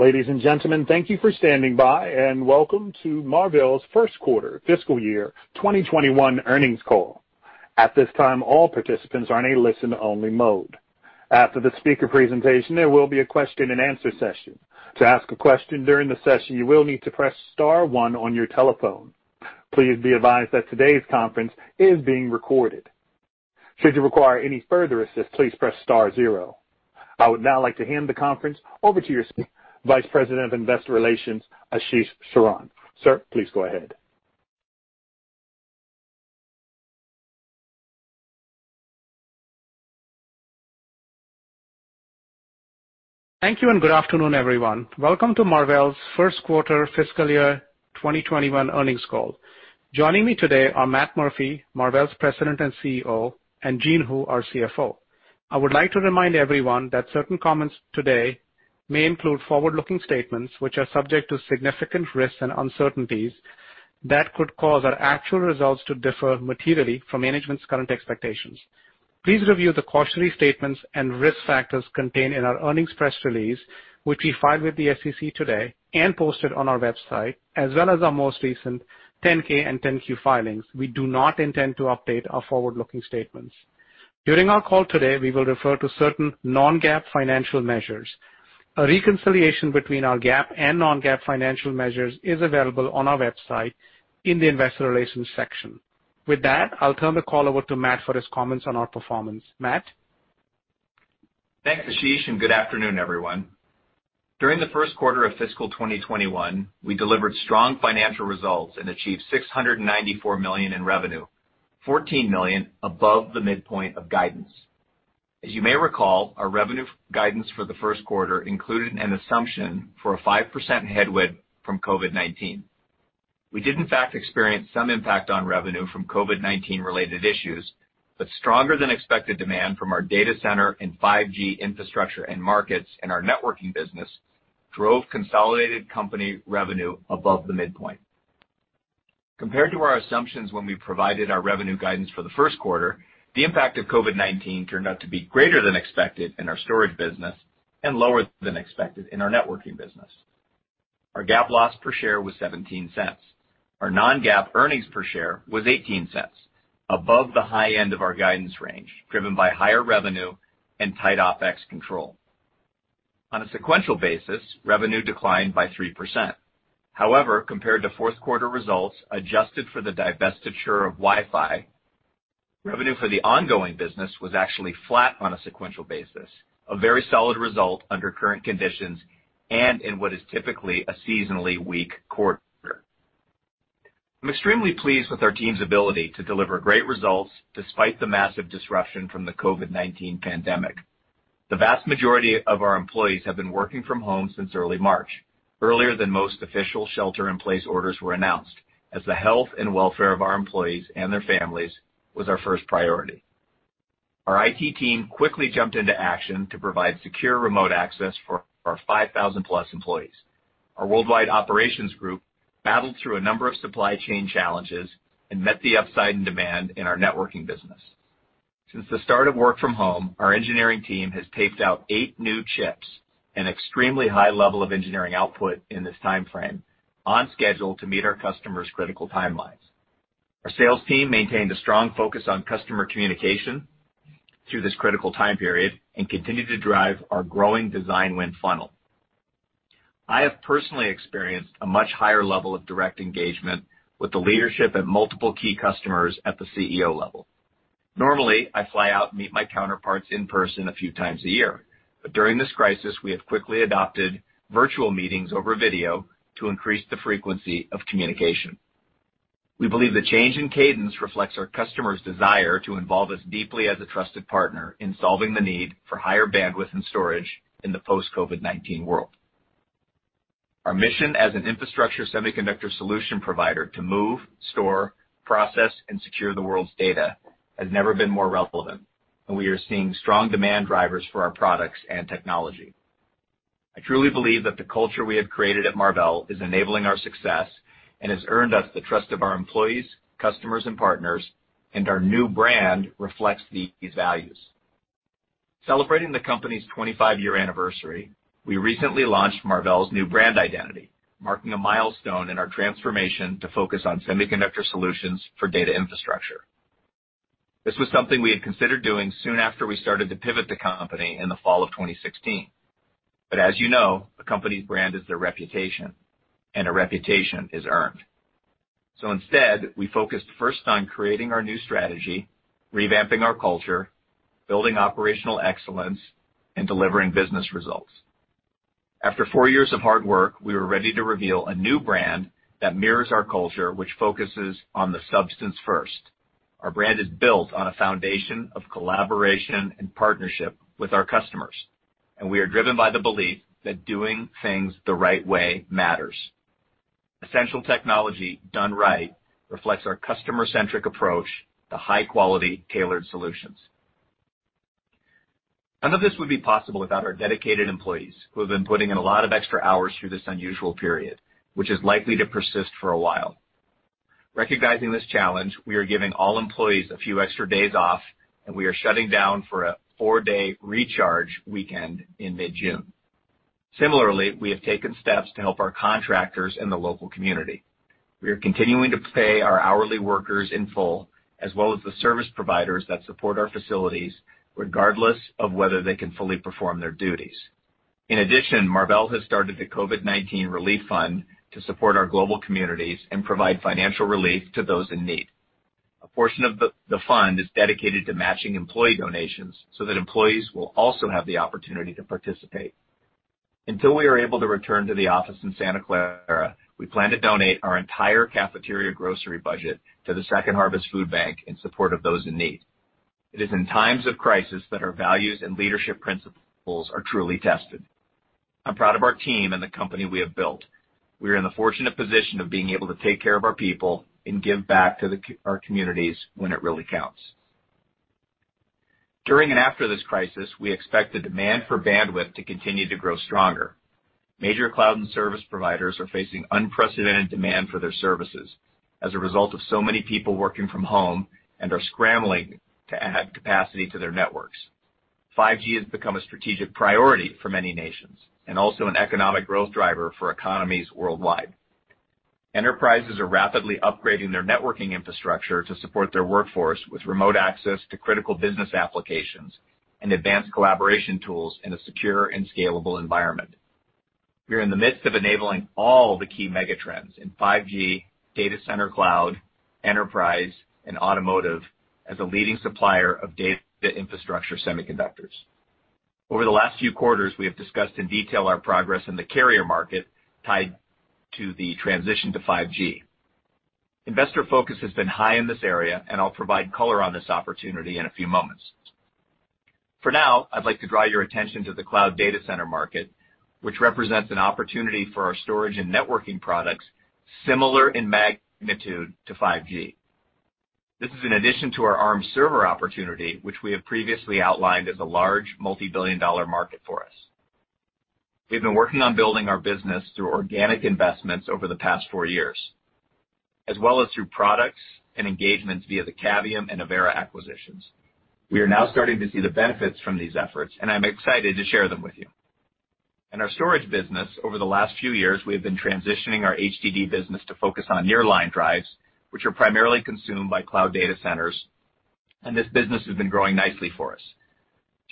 Ladies and gentlemen, thank you for standing by, and welcome to Marvell's first quarter fiscal year 2021 earnings call. At this time, all participants are in a listen-only mode. After the speaker presentation, there will be a question and answer session. To ask a question during the session, you will need to press star one on your telephone. Please be advised that today's conference is being recorded. Should you require any further assist, please press star zero. I would now like to hand the conference over to your Vice President of Investor Relations, Ashish Saran. Sir, please go ahead. Thank you and good afternoon everyone. Welcome to Marvell's first quarter fiscal year 2021 earnings call. Joining me today are Matt Murphy, Marvell's President and CEO, and Jean Hu, our CFO. I would like to remind everyone that certain comments today may include forward-looking statements which are subject to significant risks and uncertainties that could cause our actual results to differ materially from management's current expectations. Please review the cautionary statements and risk factors contained in our earnings press release, which we filed with the SEC today and posted on our website, as well as our most recent 10-K and 10-Q filings. We do not intend to update our forward-looking statements. During our call today, we will refer to certain non-GAAP financial measures. A reconciliation between our GAAP and non-GAAP financial measures is available on our website in the investor relations section. With that, I'll turn the call over to Matt for his comments on our performance. Matt? Thanks Ashish, and good afternoon, everyone. During the first quarter of fiscal 2021, we delivered strong financial results and achieved $694 million in revenue, $14 million above the midpoint of guidance. As you may recall, our revenue guidance for the first quarter included an assumption for a 5% headwind from COVID-19. We did in fact experience some impact on revenue from COVID-19 related issues, but stronger than expected demand from our data center and 5G infrastructure end markets and our networking business drove consolidated company revenue above the midpoint. Compared to our assumptions when we provided our revenue guidance for the first quarter, the impact of COVID-19 turned out to be greater than expected in our storage business and lower than expected in our networking business. Our GAAP loss per share was $0.17. Our non-GAAP earnings per share was $0.18, above the high end of our guidance range, driven by higher revenue and tight OPEX control. On a sequential basis, revenue declined by 3%. Compared to fourth quarter results, adjusted for the divestiture of Wi-Fi, revenue for the ongoing business was actually flat on a sequential basis, a very solid result under current conditions and in what is typically a seasonally weak quarter. I'm extremely pleased with our team's ability to deliver great results despite the massive disruption from the COVID-19 pandemic. The vast majority of our employees have been working from home since early March, earlier than most official shelter in place orders were announced, as the health and welfare of our employees and their families was our first priority. Our IT team quickly jumped into action to provide secure remote access for our 5,000 plus employees. Our worldwide operations group battled through a number of supply chain challenges and met the upside in demand in our networking business. Since the start of work from home, our engineering team has taped out eight new chips, an extremely high level of engineering output in this timeframe, on schedule to meet our customers' critical timelines. Our sales team maintained a strong focus on customer communication through this critical time period and continued to drive our growing design win funnel. I have personally experienced a much higher level of direct engagement with the leadership at multiple key customers at the CEO level. Normally, I fly out and meet my counterparts in person a few times a year. During this crisis, we have quickly adopted virtual meetings over video to increase the frequency of communication. We believe the change in cadence reflects our customers' desire to involve us deeply as a trusted partner in solving the need for higher bandwidth and storage in the post-COVID-19 world. Our mission as an infrastructure semiconductor solution provider to move, store, process, and secure the world's data has never been more relevant, and we are seeing strong demand drivers for our products and technology. I truly believe that the culture we have created at Marvell is enabling our success and has earned us the trust of our employees, customers, and partners, and our new brand reflects these values. Celebrating the company's 25-year anniversary, we recently launched Marvell's new brand identity, marking a milestone in our transformation to focus on semiconductor solutions for data infrastructure. This was something we had considered doing soon after we started to pivot the company in the fall of 2016. As you know, a company's brand is their reputation, and a reputation is earned. Instead, we focused first on creating our new strategy, revamping our culture, building operational excellence, and delivering business results. After four years of hard work, we were ready to reveal a new brand that mirrors our culture, which focuses on the substance first. Our brand is built on a foundation of collaboration and partnership with our customers, and we are driven by the belief that doing things the right way matters. Essential technology done right reflects our customer-centric approach to high-quality, tailored solutions. None of this would be possible without our dedicated employees, who have been putting in a lot of extra hours through this unusual period, which is likely to persist for a while. Recognizing this challenge, we are giving all employees a few extra days off, and we are shutting down for a four-day recharge weekend in mid-June. Similarly, we have taken steps to help our contractors in the local community. We are continuing to pay our hourly workers in full, as well as the service providers that support our facilities, regardless of whether they can fully perform their duties. In addition, Marvell has started the COVID-19 Relief Fund to support our global communities and provide financial relief to those in need. A portion of the fund is dedicated to matching employee donations so that employees will also have the opportunity to participate. Until we are able to return to the office in Santa Clara, we plan to donate our entire cafeteria grocery budget to the Second Harvest Food Bank in support of those in need. It is in times of crisis that our values and leadership principles are truly tested. I'm proud of our team and the company we have built. We are in the fortunate position of being able to take care of our people and give back to our communities when it really counts. During and after this crisis, we expect the demand for bandwidth to continue to grow stronger. Major cloud and service providers are facing unprecedented demand for their services as a result of so many people working from home and are scrambling to add capacity to their networks. 5G has become a strategic priority for many nations and also an economic growth driver for economies worldwide. Enterprises are rapidly upgrading their networking infrastructure to support their workforce with remote access to critical business applications and advanced collaboration tools in a secure and scalable environment. We are in the midst of enabling all the key mega trends in 5G, data center cloud, enterprise, and automotive as a leading supplier of data infrastructure semiconductors. Over the last few quarters, we have discussed in detail our progress in the carrier market tied to the transition to 5G. Investor focus has been high in this area, and I'll provide color on this opportunity in a few moments. For now, I'd like to draw your attention to the cloud data center market, which represents an opportunity for our storage and networking products similar in magnitude to 5G. This is in addition to our Arm server opportunity, which we have previously outlined as a large multi-billion-dollar market for us. We've been working on building our business through organic investments over the past four years, as well as through products and engagements via the Cavium and Avera acquisitions. We are now starting to see the benefits from these efforts, and I'm excited to share them with you. In our storage business, over the last few years, we have been transitioning our HDD business to focus on nearline drives, which are primarily consumed by cloud data centers, and this business has been growing nicely for us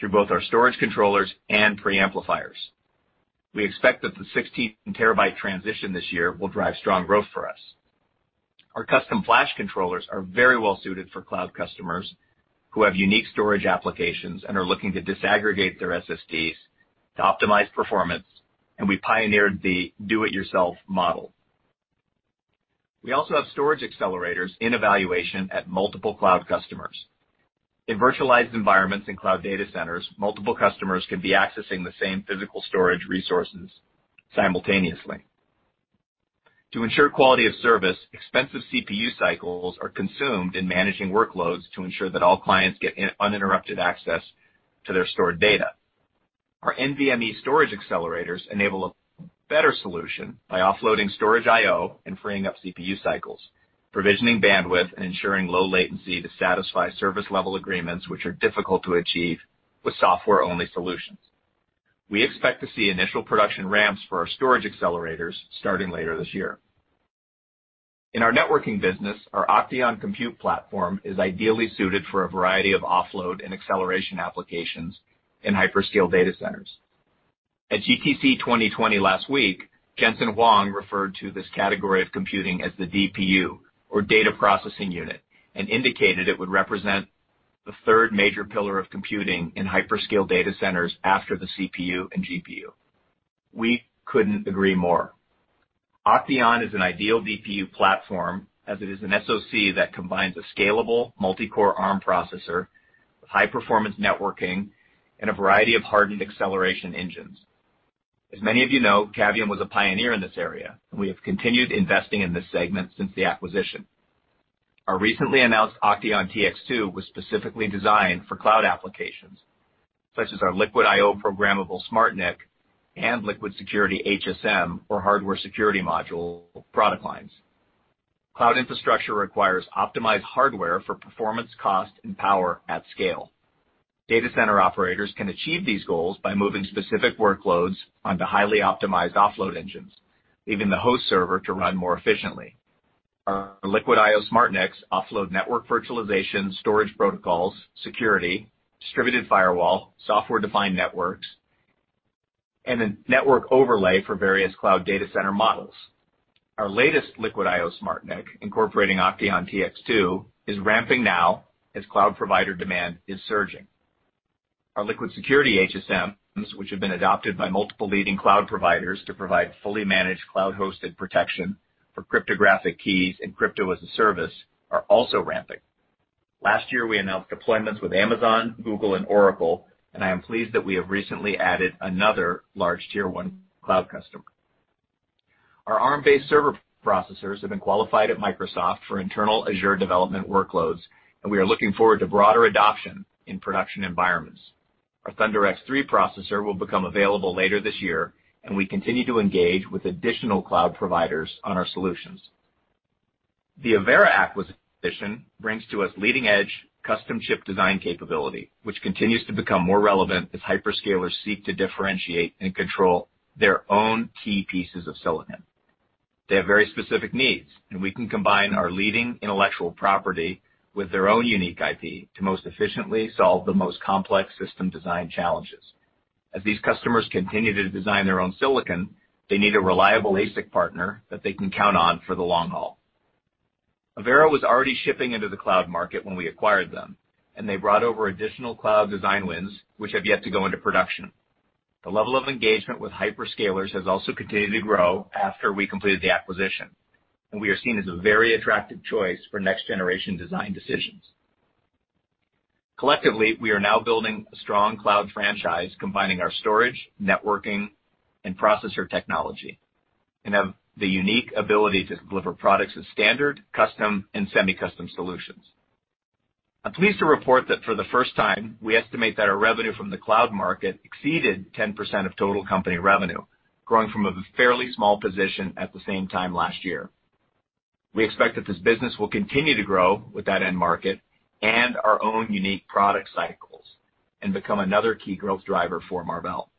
through both our storage controllers and preamplifiers. We expect that the 16 TB transition this year will drive strong growth for us. Our custom flash controllers are very well suited for cloud customers who have unique storage applications and are looking to disaggregate their SSDs to optimize performance, and we pioneered the do it yourself model. We also have storage accelerators in evaluation at multiple cloud customers. In virtualized environments and cloud data centers, multiple customers can be accessing the same physical storage resources simultaneously. To ensure quality of service, expensive CPU cycles are consumed in managing workloads to ensure that all clients get uninterrupted access to their stored data. Our NVMe storage accelerators enable a better solution by offloading storage IO and freeing up CPU cycles, provisioning bandwidth, and ensuring low latency to satisfy service level agreements, which are difficult to achieve with software-only solutions. We expect to see initial production ramps for our storage accelerators starting later this year. In our networking business, our OCTEON compute platform is ideally suited for a variety of offload and acceleration applications in hyperscale data centers. At GTC 2020 last week, Jensen Huang referred to this category of computing as the DPU, or data processing unit, and indicated it would represent the third major pillar of computing in hyperscale data centers after the CPU and GPU. We couldn't agree more. OCTEON is an ideal DPU platform, as it is an SoC that combines a scalable multi-core Arm processor with high-performance networking and a variety of hardened acceleration engines. As many of you know, Cavium was a pioneer in this area, and we have continued investing in this segment since the acquisition. Our recently announced OCTEON TX2 was specifically designed for cloud applications, such as our LiquidIO programmable SmartNIC and LiquidSecurity HSM, or hardware security module, product lines. Cloud infrastructure requires optimized hardware for performance, cost, and power at scale. Data center operators can achieve these goals by moving specific workloads onto highly optimized offload engines, leaving the host server to run more efficiently. Our LiquidIO SmartNICs offload network virtualization, storage protocols, security, distributed firewall, software-defined networks, and a network overlay for various cloud data center models. Our latest LiquidIO SmartNIC, incorporating OCTEON TX2, is ramping now as cloud provider demand is surging. Our LiquidSecurity HSMs, which have been adopted by multiple leading cloud providers to provide fully managed cloud-hosted protection for cryptographic keys and crypto as a service, are also ramping. Last year, we announced deployments with Amazon, Google, and Oracle, and I am pleased that we have recently added another large tier one cloud customer. Our Arm-based server processors have been qualified at Microsoft for internal Azure development workloads. We are looking forward to broader adoption in production environments. Our ThunderX3 processor will become available later this year. We continue to engage with additional cloud providers on our solutions. The Avera acquisition brings to us leading-edge custom chip design capability, which continues to become more relevant as hyperscalers seek to differentiate and control their own key pieces of silicon. They have very specific needs. We can combine our leading intellectual property with their own unique IP to most efficiently solve the most complex system design challenges. As these customers continue to design their own silicon, they need a reliable ASIC partner that they can count on for the long haul. Avera was already shipping into the cloud market when we acquired them. They brought over additional cloud design wins which have yet to go into production. The level of engagement with hyperscalers has also continued to grow after we completed the acquisition. We are seen as a very attractive choice for next-generation design decisions. Collectively, we are now building a strong cloud franchise, combining our storage, networking and processor technology and have the unique ability to deliver products as standard, custom and semi-custom solutions. I'm pleased to report that for the first time, we estimate that our revenue from the cloud market exceeded 10% of total company revenue, growing from a fairly small position at the same time last year. We expect that this business will continue to grow with that end market and our own unique product cycles and become another key growth driver for Marvell.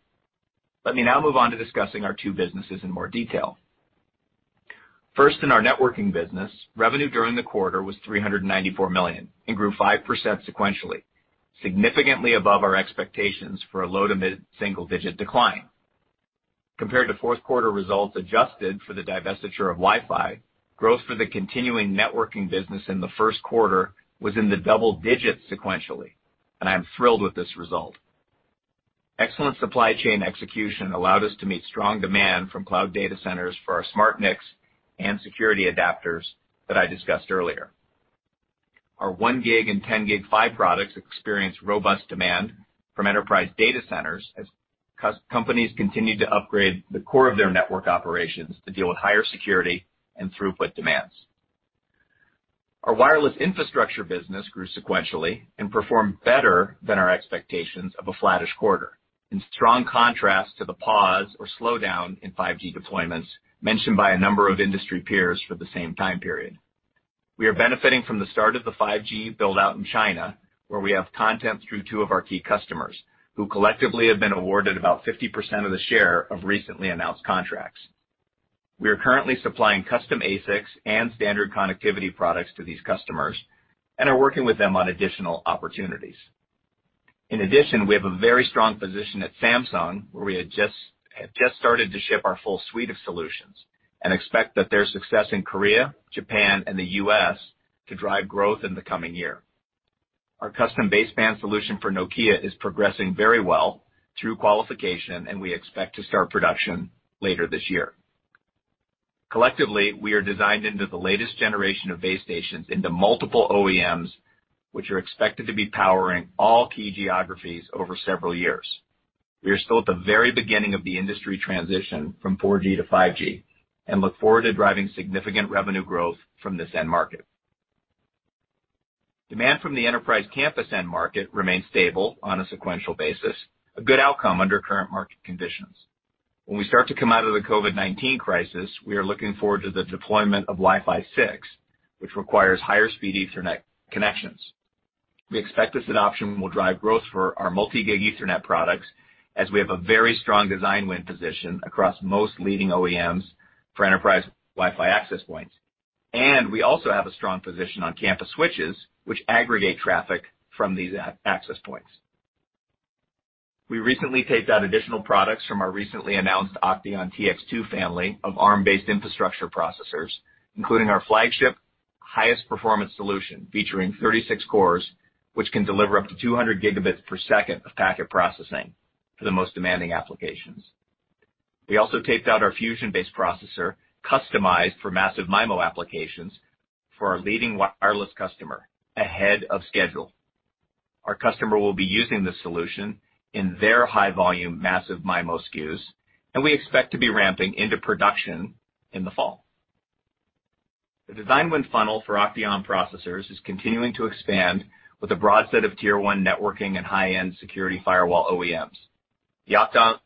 Let me now move on to discussing our two businesses in more detail. First, in our networking business, revenue during the quarter was $394 million and grew 5% sequentially, significantly above our expectations for a low to mid single-digit decline. Compared to fourth quarter results adjusted for the divestiture of Wi-Fi, growth for the continuing networking business in the first quarter was in the double digits sequentially, and I am thrilled with this result. Excellent supply chain execution allowed us to meet strong demand from cloud data centers for our SmartNICs and security adapters that I discussed earlier. Our 1 gig and 10 gig PHY products experienced robust demand from enterprise data centers as companies continued to upgrade the core of their network operations to deal with higher security and throughput demands. Our wireless infrastructure business grew sequentially and performed better than our expectations of a flattish quarter, in strong contrast to the pause or slowdown in 5G deployments mentioned by a number of industry peers for the same time period. We are benefiting from the start of the 5G build-out in China, where we have content through two of our key customers who collectively have been awarded about 50% of the share of recently announced contracts. We are currently supplying custom ASICs and standard connectivity products to these customers and are working with them on additional opportunities. In addition, we have a very strong position at Samsung, where we have just started to ship our full suite of solutions and expect that their success in Korea, Japan and the U.S. to drive growth in the coming year. Our custom baseband solution for Nokia is progressing very well through qualification and we expect to start production later this year. Collectively, we are designed into the latest generation of base stations into multiple OEMs, which are expected to be powering all key geographies over several years. We are still at the very beginning of the industry transition from 4G to 5G and look forward to driving significant revenue growth from this end market. Demand from the enterprise campus end market remains stable on a sequential basis, a good outcome under current market conditions. When we start to come out of the COVID-19 crisis, we are looking forward to the deployment of Wi-Fi 6, which requires higher speed Ethernet connections. We expect this adoption will drive growth for our multi-gig Ethernet products as we have a very strong design win position across most leading OEMs for enterprise Wi-Fi access points. We also have a strong position on campus switches which aggregate traffic from these access points. We recently taped out additional products from our recently announced OCTEON TX2 family of Arm-based infrastructure processors, including our flagship highest performance solution featuring 36 cores, which can deliver up to 200 gigabits per second of packet processing for the most demanding applications. We also taped out our OCTEON Fusion-based processor customized for Massive MIMO applications for our leading wireless customer ahead of schedule. Our customer will be using this solution in their high volume Massive MIMO SKUs and we expect to be ramping into production in the fall. The design win funnel for OCTEON processors is continuing to expand with a broad set of tier one networking and high-end security firewall OEMs. The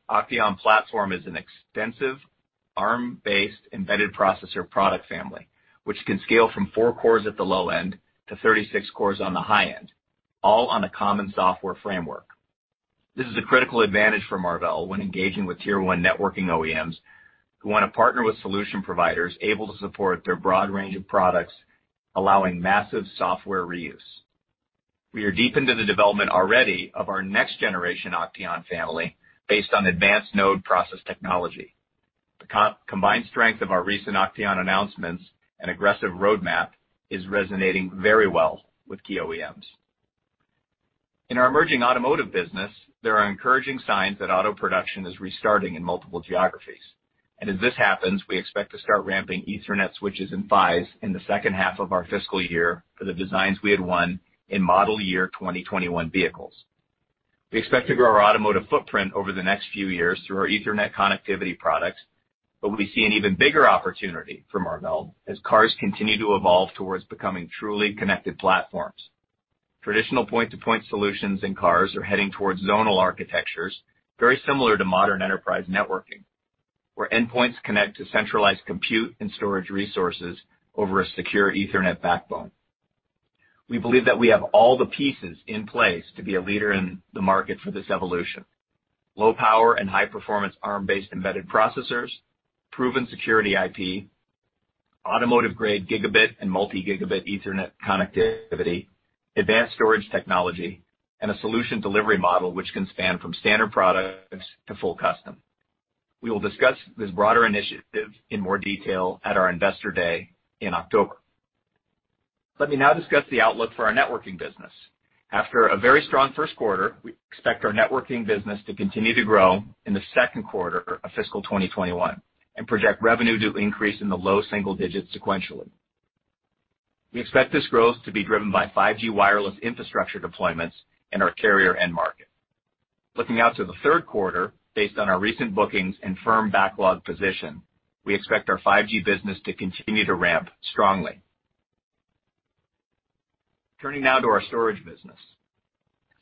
OCTEON platform is an extensive Arm-based embedded processor product family, which can scale from 4 cores at the low end to 36 cores on the high end, all on a common software framework. This is a critical advantage for Marvell when engaging with tier one networking OEMs who want to partner with solution providers able to support their broad range of products, allowing massive software reuse. We are deep into the development already of our next generation OCTEON family based on advanced node process technology. The combined strength of our recent OCTEON announcements and aggressive roadmap is resonating very well with key OEMs. In our emerging automotive business, there are encouraging signs that auto production is restarting in multiple geographies. As this happens, we expect to start ramping Ethernet switches and PHYs in the second half of our fiscal year for the designs we had won in model year 2021 vehicles. We expect to grow our automotive footprint over the next few years through our Ethernet connectivity products. We see an even bigger opportunity from Marvell as cars continue to evolve towards becoming truly connected platforms. Traditional point-to-point solutions in cars are heading towards zonal architectures, very similar to modern enterprise networking, where endpoints connect to centralized compute and storage resources over a secure Ethernet backbone. We believe that we have all the pieces in place to be a leader in the market for this evolution. Low power and high performance Arm-based embedded processors, proven security IP, automotive grade gigabit and multi-gigabit Ethernet connectivity, advanced storage technology, and a solution delivery model which can span from standard products to full custom. We will discuss this broader initiative in more detail at our Investor Day in October. Let me now discuss the outlook for our networking business. After a very strong first quarter, we expect our networking business to continue to grow in the second quarter of fiscal 2021, and project revenue to increase in the low single digits sequentially. We expect this growth to be driven by 5G wireless infrastructure deployments in our carrier end market. Looking out to the third quarter, based on our recent bookings and firm backlog position, we expect our 5G business to continue to ramp strongly. Turning now to our storage business.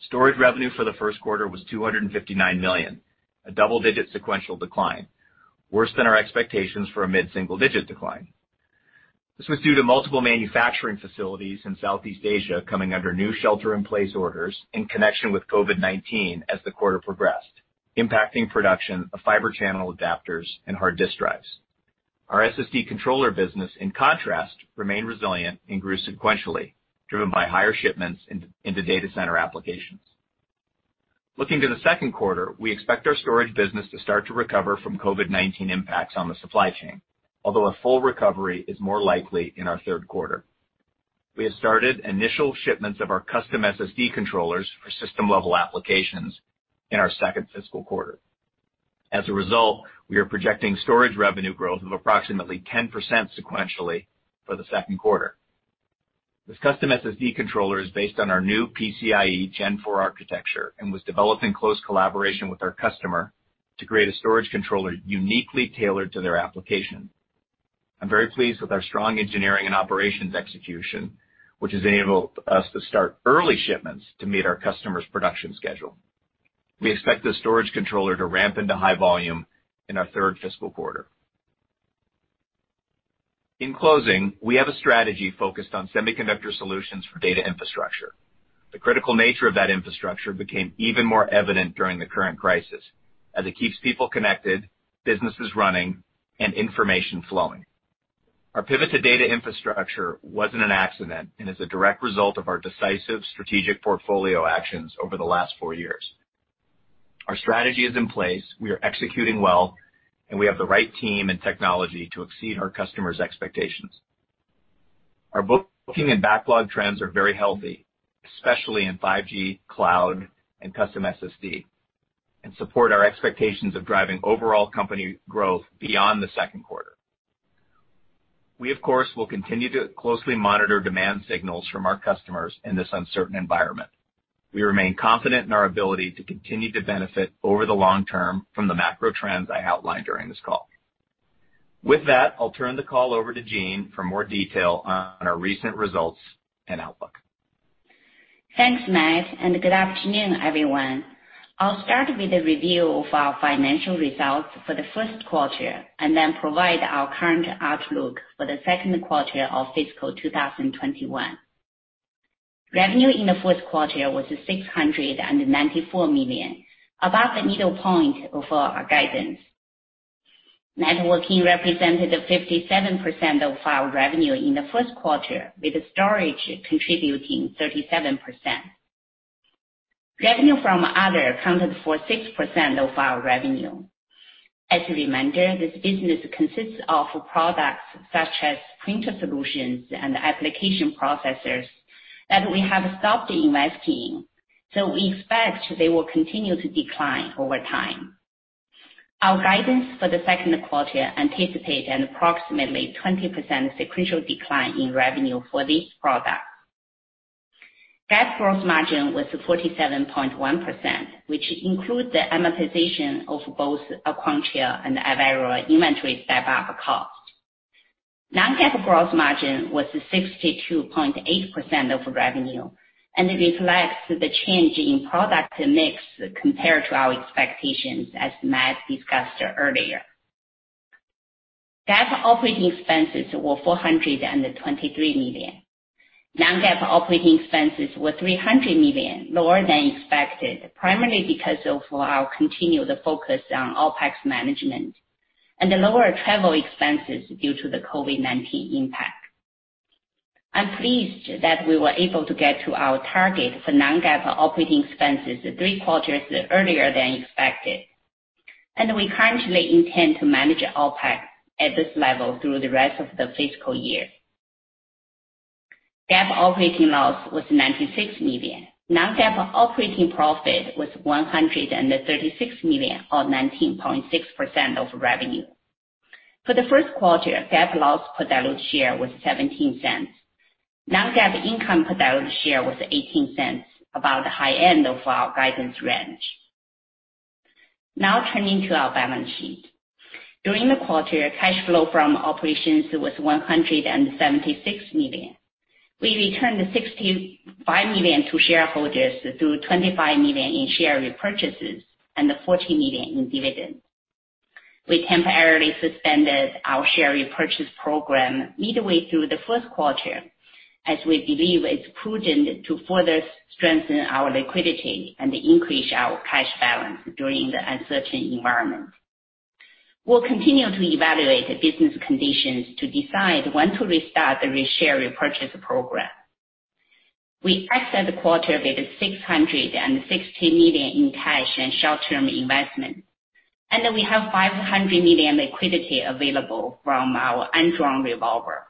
Storage revenue for the first quarter was $259 million, a double-digit sequential decline, worse than our expectations for a mid-single-digit decline. This was due to multiple manufacturing facilities in Southeast Asia coming under new shelter-in-place orders in connection with COVID-19 as the quarter progressed, impacting production of Fibre Channel adapters and hard disk drives. Our SSD controller business, in contrast, remained resilient and grew sequentially, driven by higher shipments into data center applications. Looking to the second quarter, we expect our storage business to start to recover from COVID-19 impacts on the supply chain, although a full recovery is more likely in our third quarter. We have started initial shipments of our custom SSD controllers for system-level applications in our second fiscal quarter. As a result, we are projecting storage revenue growth of approximately 10% sequentially for the second quarter. This custom SSD controller is based on our new PCIe Gen 4 architecture and was developed in close collaboration with our customer to create a storage controller uniquely tailored to their application. I'm very pleased with our strong engineering and operations execution, which has enabled us to start early shipments to meet our customer's production schedule. We expect the storage controller to ramp into high volume in our 3rd fiscal quarter. In closing, we have a strategy focused on semiconductor solutions for data infrastructure. The critical nature of that infrastructure became even more evident during the current crisis, as it keeps people connected, businesses running, and information flowing. Our pivot to data infrastructure wasn't an accident and is a direct result of our decisive strategic portfolio actions over the last four years. Our strategy is in place, we are executing well, and we have the right team and technology to exceed our customers' expectations. Our booking and backlog trends are very healthy, especially in 5G, cloud, and custom SSD, and support our expectations of driving overall company growth beyond the second quarter. We, of course, will continue to closely monitor demand signals from our customers in this uncertain environment. We remain confident in our ability to continue to benefit over the long term from the macro trends I outlined during this call. With that, I'll turn the call over to Jean for more detail on our recent results and outlook. Thanks, Matt. Good afternoon, everyone. I'll start with a review of our financial results for the first quarter, and then provide our current outlook for the second quarter of fiscal 2021. Revenue in the fourth quarter was $694 million, above the middle point of our guidance. Networking represented 57% of our revenue in the first quarter, with storage contributing 37%. Revenue from other accounted for 6% of our revenue. As a reminder, this business consists of products such as printer solutions and application processors that we have stopped investing, so we expect they will continue to decline over time. Our guidance for the second quarter anticipate an approximately 20% sequential decline in revenue for these products. GAAP gross margin was 47.1%, which includes the amortization of both Aquantia and Avera inventory step-up cost. Non-GAAP gross margin was 62.8% of revenue. It reflects the change in product mix compared to our expectations, as Matt discussed earlier. GAAP operating expenses were $423 million. Non-GAAP operating expenses were $300 million, lower than expected, primarily because of our continued focus on OpEx management and the lower travel expenses due to the COVID-19 impact. I'm pleased that we were able to get to our target for non-GAAP operating expenses 3 quarters earlier than expected. We currently intend to manage OpEx at this level through the rest of the fiscal year. GAAP operating loss was $96 million. Non-GAAP operating profit was $136 million, or 19.6% of revenue. For the first quarter, GAAP loss per diluted share was $0.17. Non-GAAP income per diluted share was $0.18, about the high end of our guidance range. Now turning to our balance sheet. During the quarter, cash flow from operations was $176 million. We returned $65 million to shareholders through $25 million in share repurchases and $14 million in dividends. We temporarily suspended our share repurchase program midway through the first quarter, as we believe it's prudent to further strengthen our liquidity and increase our cash balance during the uncertain environment. We'll continue to evaluate the business conditions to decide when to restart the share repurchase program. We exit the quarter with $660 million in cash and short-term investment, and we have $500 million liquidity available from our undrawn revolver.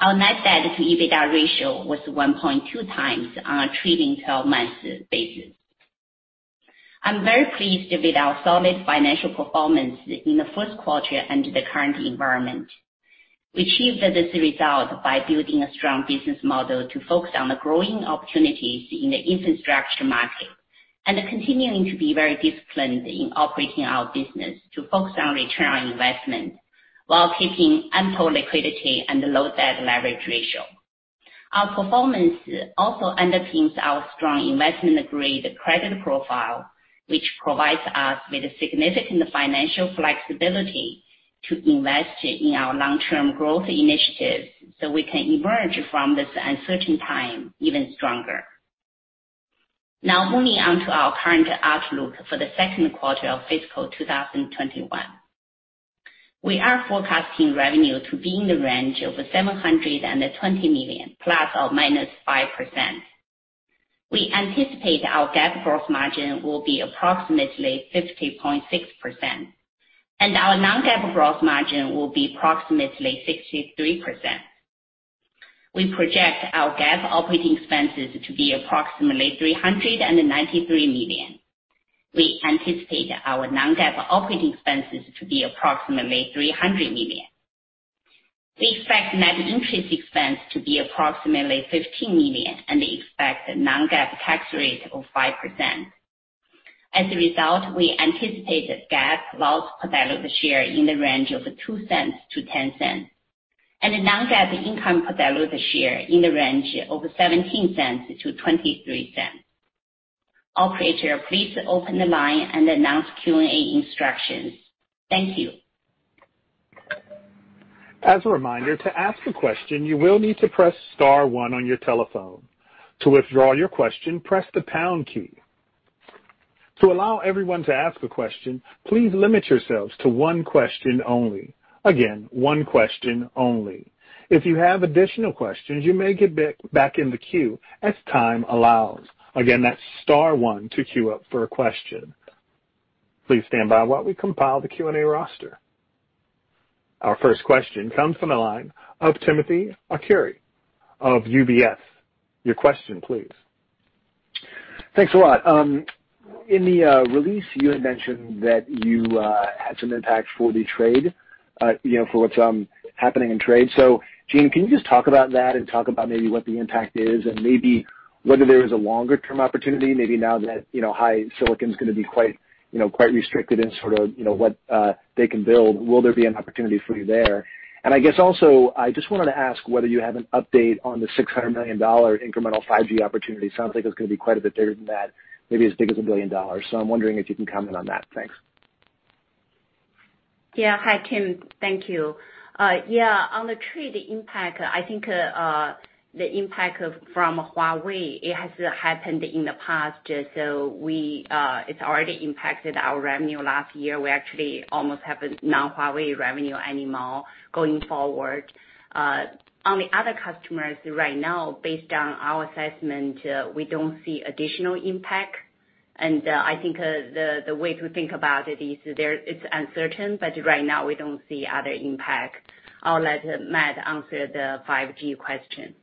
Our net debt to EBITDA ratio was 1.2x on a trailing 12 months basis. I'm very pleased with our solid financial performance in the first quarter under the current environment. We achieved this result by building a strong business model to focus on the growing opportunities in the infrastructure market and continuing to be very disciplined in operating our business to focus on return on investment while keeping ample liquidity and low debt leverage ratio. Our performance also underpins our strong investment-grade credit profile, which provides us with significant financial flexibility to invest in our long-term growth initiatives, so we can emerge from this uncertain time even stronger. Now moving on to our current outlook for the second quarter of fiscal 2021. We are forecasting revenue to be in the range of $720 million, ±5%. We anticipate our GAAP gross margin will be approximately 50.6%, and our non-GAAP gross margin will be approximately 63%. We project our GAAP operating expenses to be approximately $393 million. We anticipate our non-GAAP operating expenses to be approximately $300 million. We expect net interest expense to be approximately $15 million and expect non-GAAP tax rate of 5%. As a result, we anticipate a GAAP loss per diluted share in the range of $0.02-$0.10 and a non-GAAP income per diluted share in the range of $0.17-$0.23. Operator, please open the line and announce Q&A instructions. Thank you. As a reminder, to ask a question, you will need to press star 1 on your telephone. To withdraw your question, press the pound key. To allow everyone to ask a question, please limit yourselves to one question only. Again, one question only. If you have additional questions, you may get back in the queue as time allows. Again, that's star one to queue up for a question. Please stand by while we compile the Q&A roster. Our first question comes from the line of Timothy Arcuri of UBS. Your question please. Thanks a lot. In the release, you had mentioned that you had some impact for the trade, you know, for what's happening in trade. Jean, can you just talk about that and talk about maybe what the impact is and maybe whether there is a longer-term opportunity, maybe now that, you know, HiSilicon's gonna be quite, you know, quite restricted in sort of, you know, what they can build, will there be an opportunity for you there? I guess also, I just wanted to ask whether you have an update on the $600 million incremental 5G opportunity. Sounds like it's gonna be quite a bit bigger than that, maybe as big as $1 billion. I'm wondering if you can comment on that. Thanks. Hi, Tim. Thank you. On the trade impact, I think, the impact of from Huawei, it has happened in the past. It's already impacted our revenue last year. We actually almost have a non-Huawei revenue annual going forward. On the other customers right now, based on our assessment, we don't see additional impact. I think, the way to think about it is it's uncertain, but right now we don't see other impact. I'll let Matt answer the 5G question.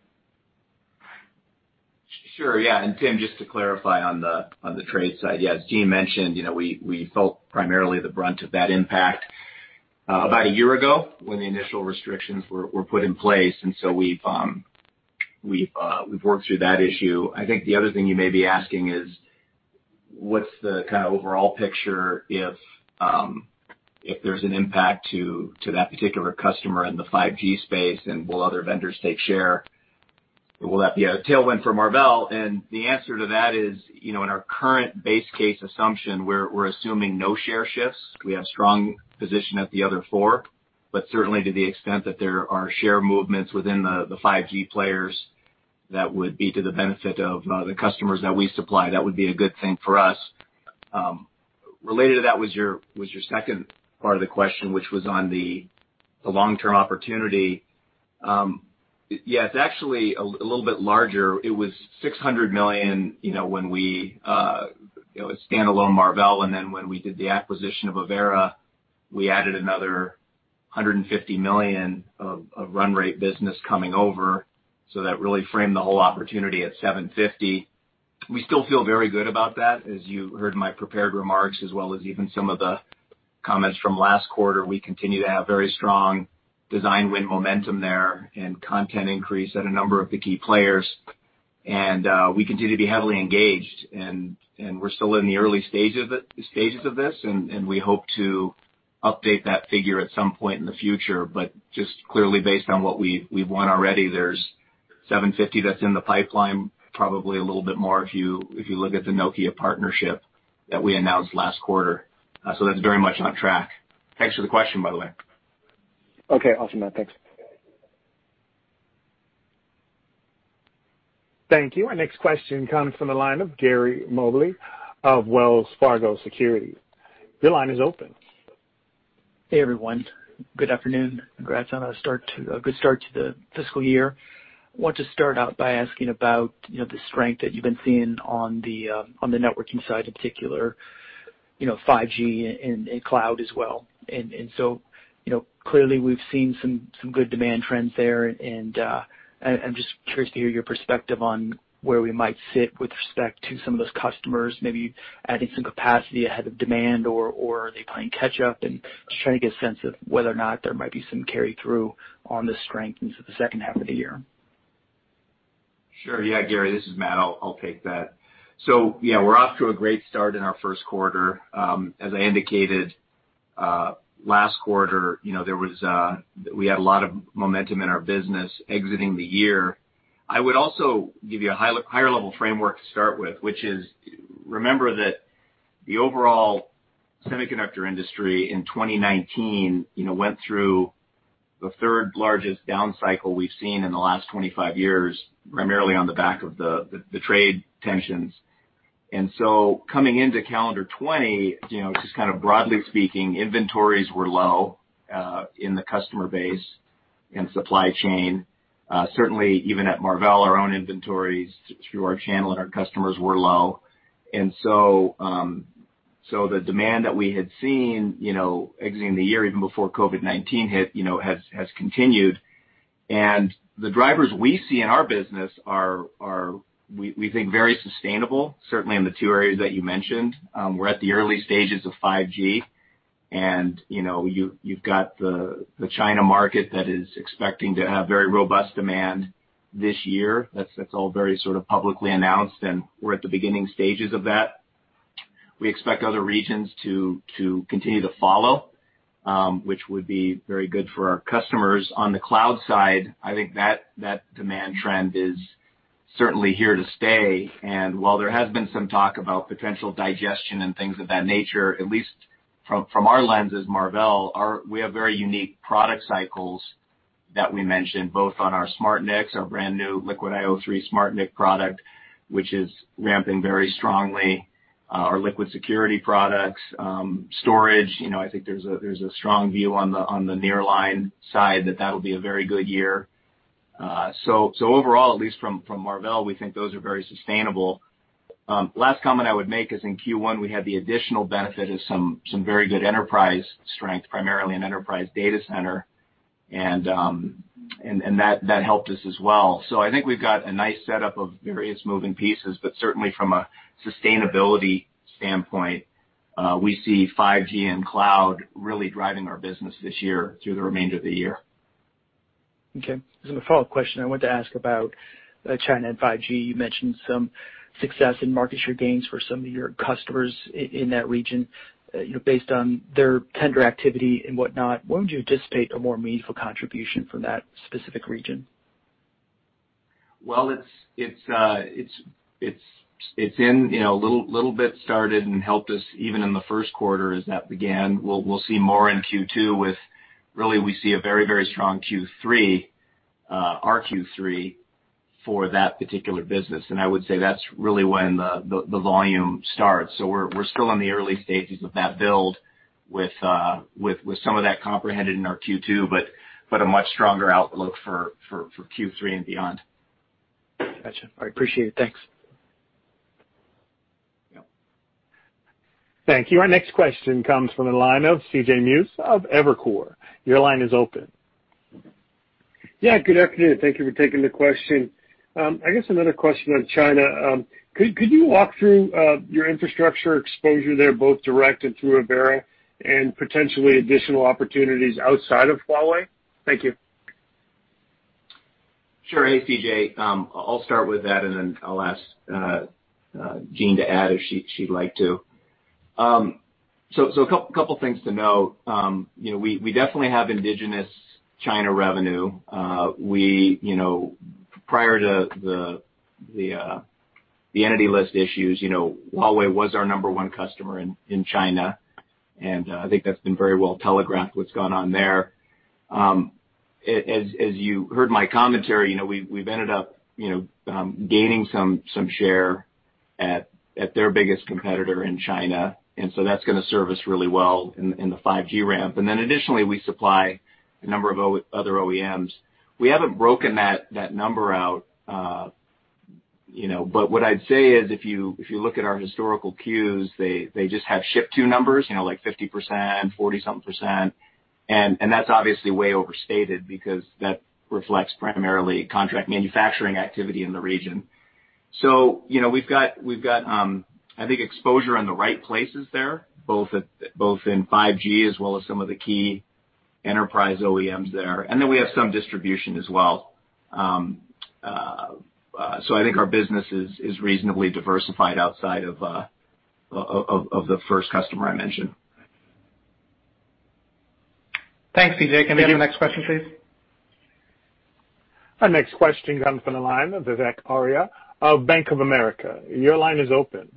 Sure. Yeah. Tim, just to clarify on the trade side. Yeah, as Jean mentioned, you know, we felt primarily the brunt of that impact about a year ago when the initial restrictions were put in place, and so we've worked through that issue. I think the other thing you may be asking is: What's the kind of overall picture if there's an impact to that particular customer in the 5G space, and will other vendors take share? Will that be a tailwind for Marvell? The answer to that is, you know, in our current base case assumption, we're assuming no share shifts. We have strong position at the other four, but certainly to the extent that there are share movements within the 5G players, that would be to the benefit of the customers that we supply. That would be a good thing for us. Related to that was your second part of the question, which was on the long-term opportunity. Yes, actually a little bit larger. It was $600 million, you know, when we, you know, standalone Marvell, and then when we did the acquisition of Avera, we added another $150 million of run rate business coming over. That really framed the whole opportunity at $750 million. We still feel very good about that, as you heard in my prepared remarks, as well as even some of the comments from last quarter, we continue to have very strong design win momentum there and content increase at a number of the key players. We continue to be heavily engaged and we're still in the early stages of this, and we hope to update that figure at some point in the future. Just clearly based on what we've won already, there's 750 that's in the pipeline, probably a little bit more if you look at the Nokia partnership that we announced last quarter. That's very much on track. Thanks for the question, by the way. Okay. Awesome, Matt. Thanks. Thank you. Our next question comes from the line of Gary Mobley of Wells Fargo Securities. Your line is open. Hey everyone. Good afternoon. Congrats on a good start to the fiscal year. Want to start out by asking about, you know, the strength that you've been seeing on the networking side in particular, you know, 5G and cloud as well. you know, clearly we've seen some good demand trends there. I'm just curious to hear your perspective on where we might sit with respect to some of those customers, maybe adding some capacity ahead of demand or are they playing catch up? Just trying to get a sense of whether or not there might be some carry through on the strength into the second half of the year. Sure. Yeah, Gary, this is Matt. I'll take that. Yeah, we're off to a great start in our first quarter. As I indicated, last quarter, you know, there was, we had a lot of momentum in our business exiting the year. I would also give you a higher level framework to start with, which is remember that the overall semiconductor industry in 2019, you know, went through the third largest down cycle we've seen in the last 25 years, primarily on the back of the trade tensions. Coming into calendar 2020, you know, just kind of broadly speaking, inventories were low in the customer base and supply chain. Certainly even at Marvell, our own inventories through our channel and our customers were low. The demand that we had seen exiting the year even before COVID-19 hit has continued. The drivers we see in our business are, we think very sustainable, certainly in the two areas that you mentioned. We're at the early stages of 5G and you've got the China market that is expecting to have very robust demand this year. That's all very sort of publicly announced, we're at the beginning stages of that. We expect other regions to continue to follow, which would be very good for our customers. On the cloud side, I think that demand trend is certainly here to stay. While there has been some talk about potential digestion and things of that nature, at least from our lens as Marvell, we have very unique product cycles that we mentioned both on our SmartNICs, our brand new LiquidIO III SmartNIC product, which is ramping very strongly, our LiquidSecurity products, storage. You know, I think there's a strong view on the nearline side that'll be a very good year. Overall, at least from Marvell, we think those are very sustainable. Last comment I would make is in Q1, we had the additional benefit of some very good enterprise strength, primarily in enterprise data center and that helped us as well. I think we've got a nice setup of various moving pieces, but certainly from a sustainability standpoint, we see 5G and cloud really driving our business this year through the remainder of the year. Okay. As a follow-up question, I wanted to ask about China and 5G. You mentioned some success in market share gains for some of your customers in that region. You know, based on their tender activity and whatnot, when would you anticipate a more meaningful contribution from that specific region? Well, it's in, you know, a little bit started and helped us even in the first quarter as that began. We'll see more in Q2 with really we see a very strong Q3, our Q3 for that particular business. I would say that's really when the volume starts. We're still in the early stages of that build with some of that comprehended in our Q2, but a much stronger outlook for Q3 and beyond. Gotcha. I appreciate it. Thanks. Yep. Thank you. Our next question comes from the line of CJ Muse of Evercore. Your line is open. Yeah, good afternoon. Thank you for taking the question. I guess another question on China. Could you walk through your infrastructure exposure there, both direct and through Avera and potentially additional opportunities outside of Huawei? Thank you. Sure. Hey, CJ, I'll start with that and then I'll ask Jean to add if she'd like to. So, a couple things to note. You know, we definitely have indigenous China revenue. We, you know, prior to the entity list issues, you know, Huawei was our number one customer in China, and I think that's been very well telegraphed what's gone on there. As you heard my commentary, you know, we've ended up, you know, gaining some share at their biggest competitor in China. That's gonna serve us really well in the 5G ramp. Additionally, we supply a number of other OEMs. We haven't broken that number out, you know, what I'd say is if you look at our historical Qs, they just have ship to numbers, you know, like 50%, 40-something percent. That's obviously way overstated because that reflects primarily contract manufacturing activity in the region. You know, we've got I think exposure on the right places there, both in 5G as well as some of the key enterprise OEMs there. Then we have some distribution as well. I think our business is reasonably diversified outside of the first customer I mentioned. Thanks CJ. Can we do the next question, please? Our next question comes from the line of Vivek Arya of Bank of America. Your line is open.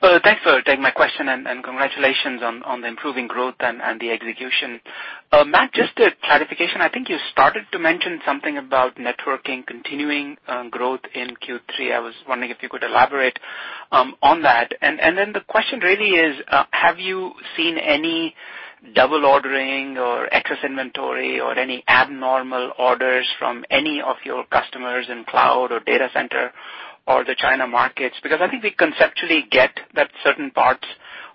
Thanks for taking my question and congratulations on the improving growth and the execution. Matt, just a clarification. I think you started to mention something about networking continuing growth in Q3. I was wondering if you could elaborate on that. The question really is, have you seen any double ordering or excess inventory or any abnormal orders from any of your customers in cloud or data center or the China markets? I think we conceptually get that certain parts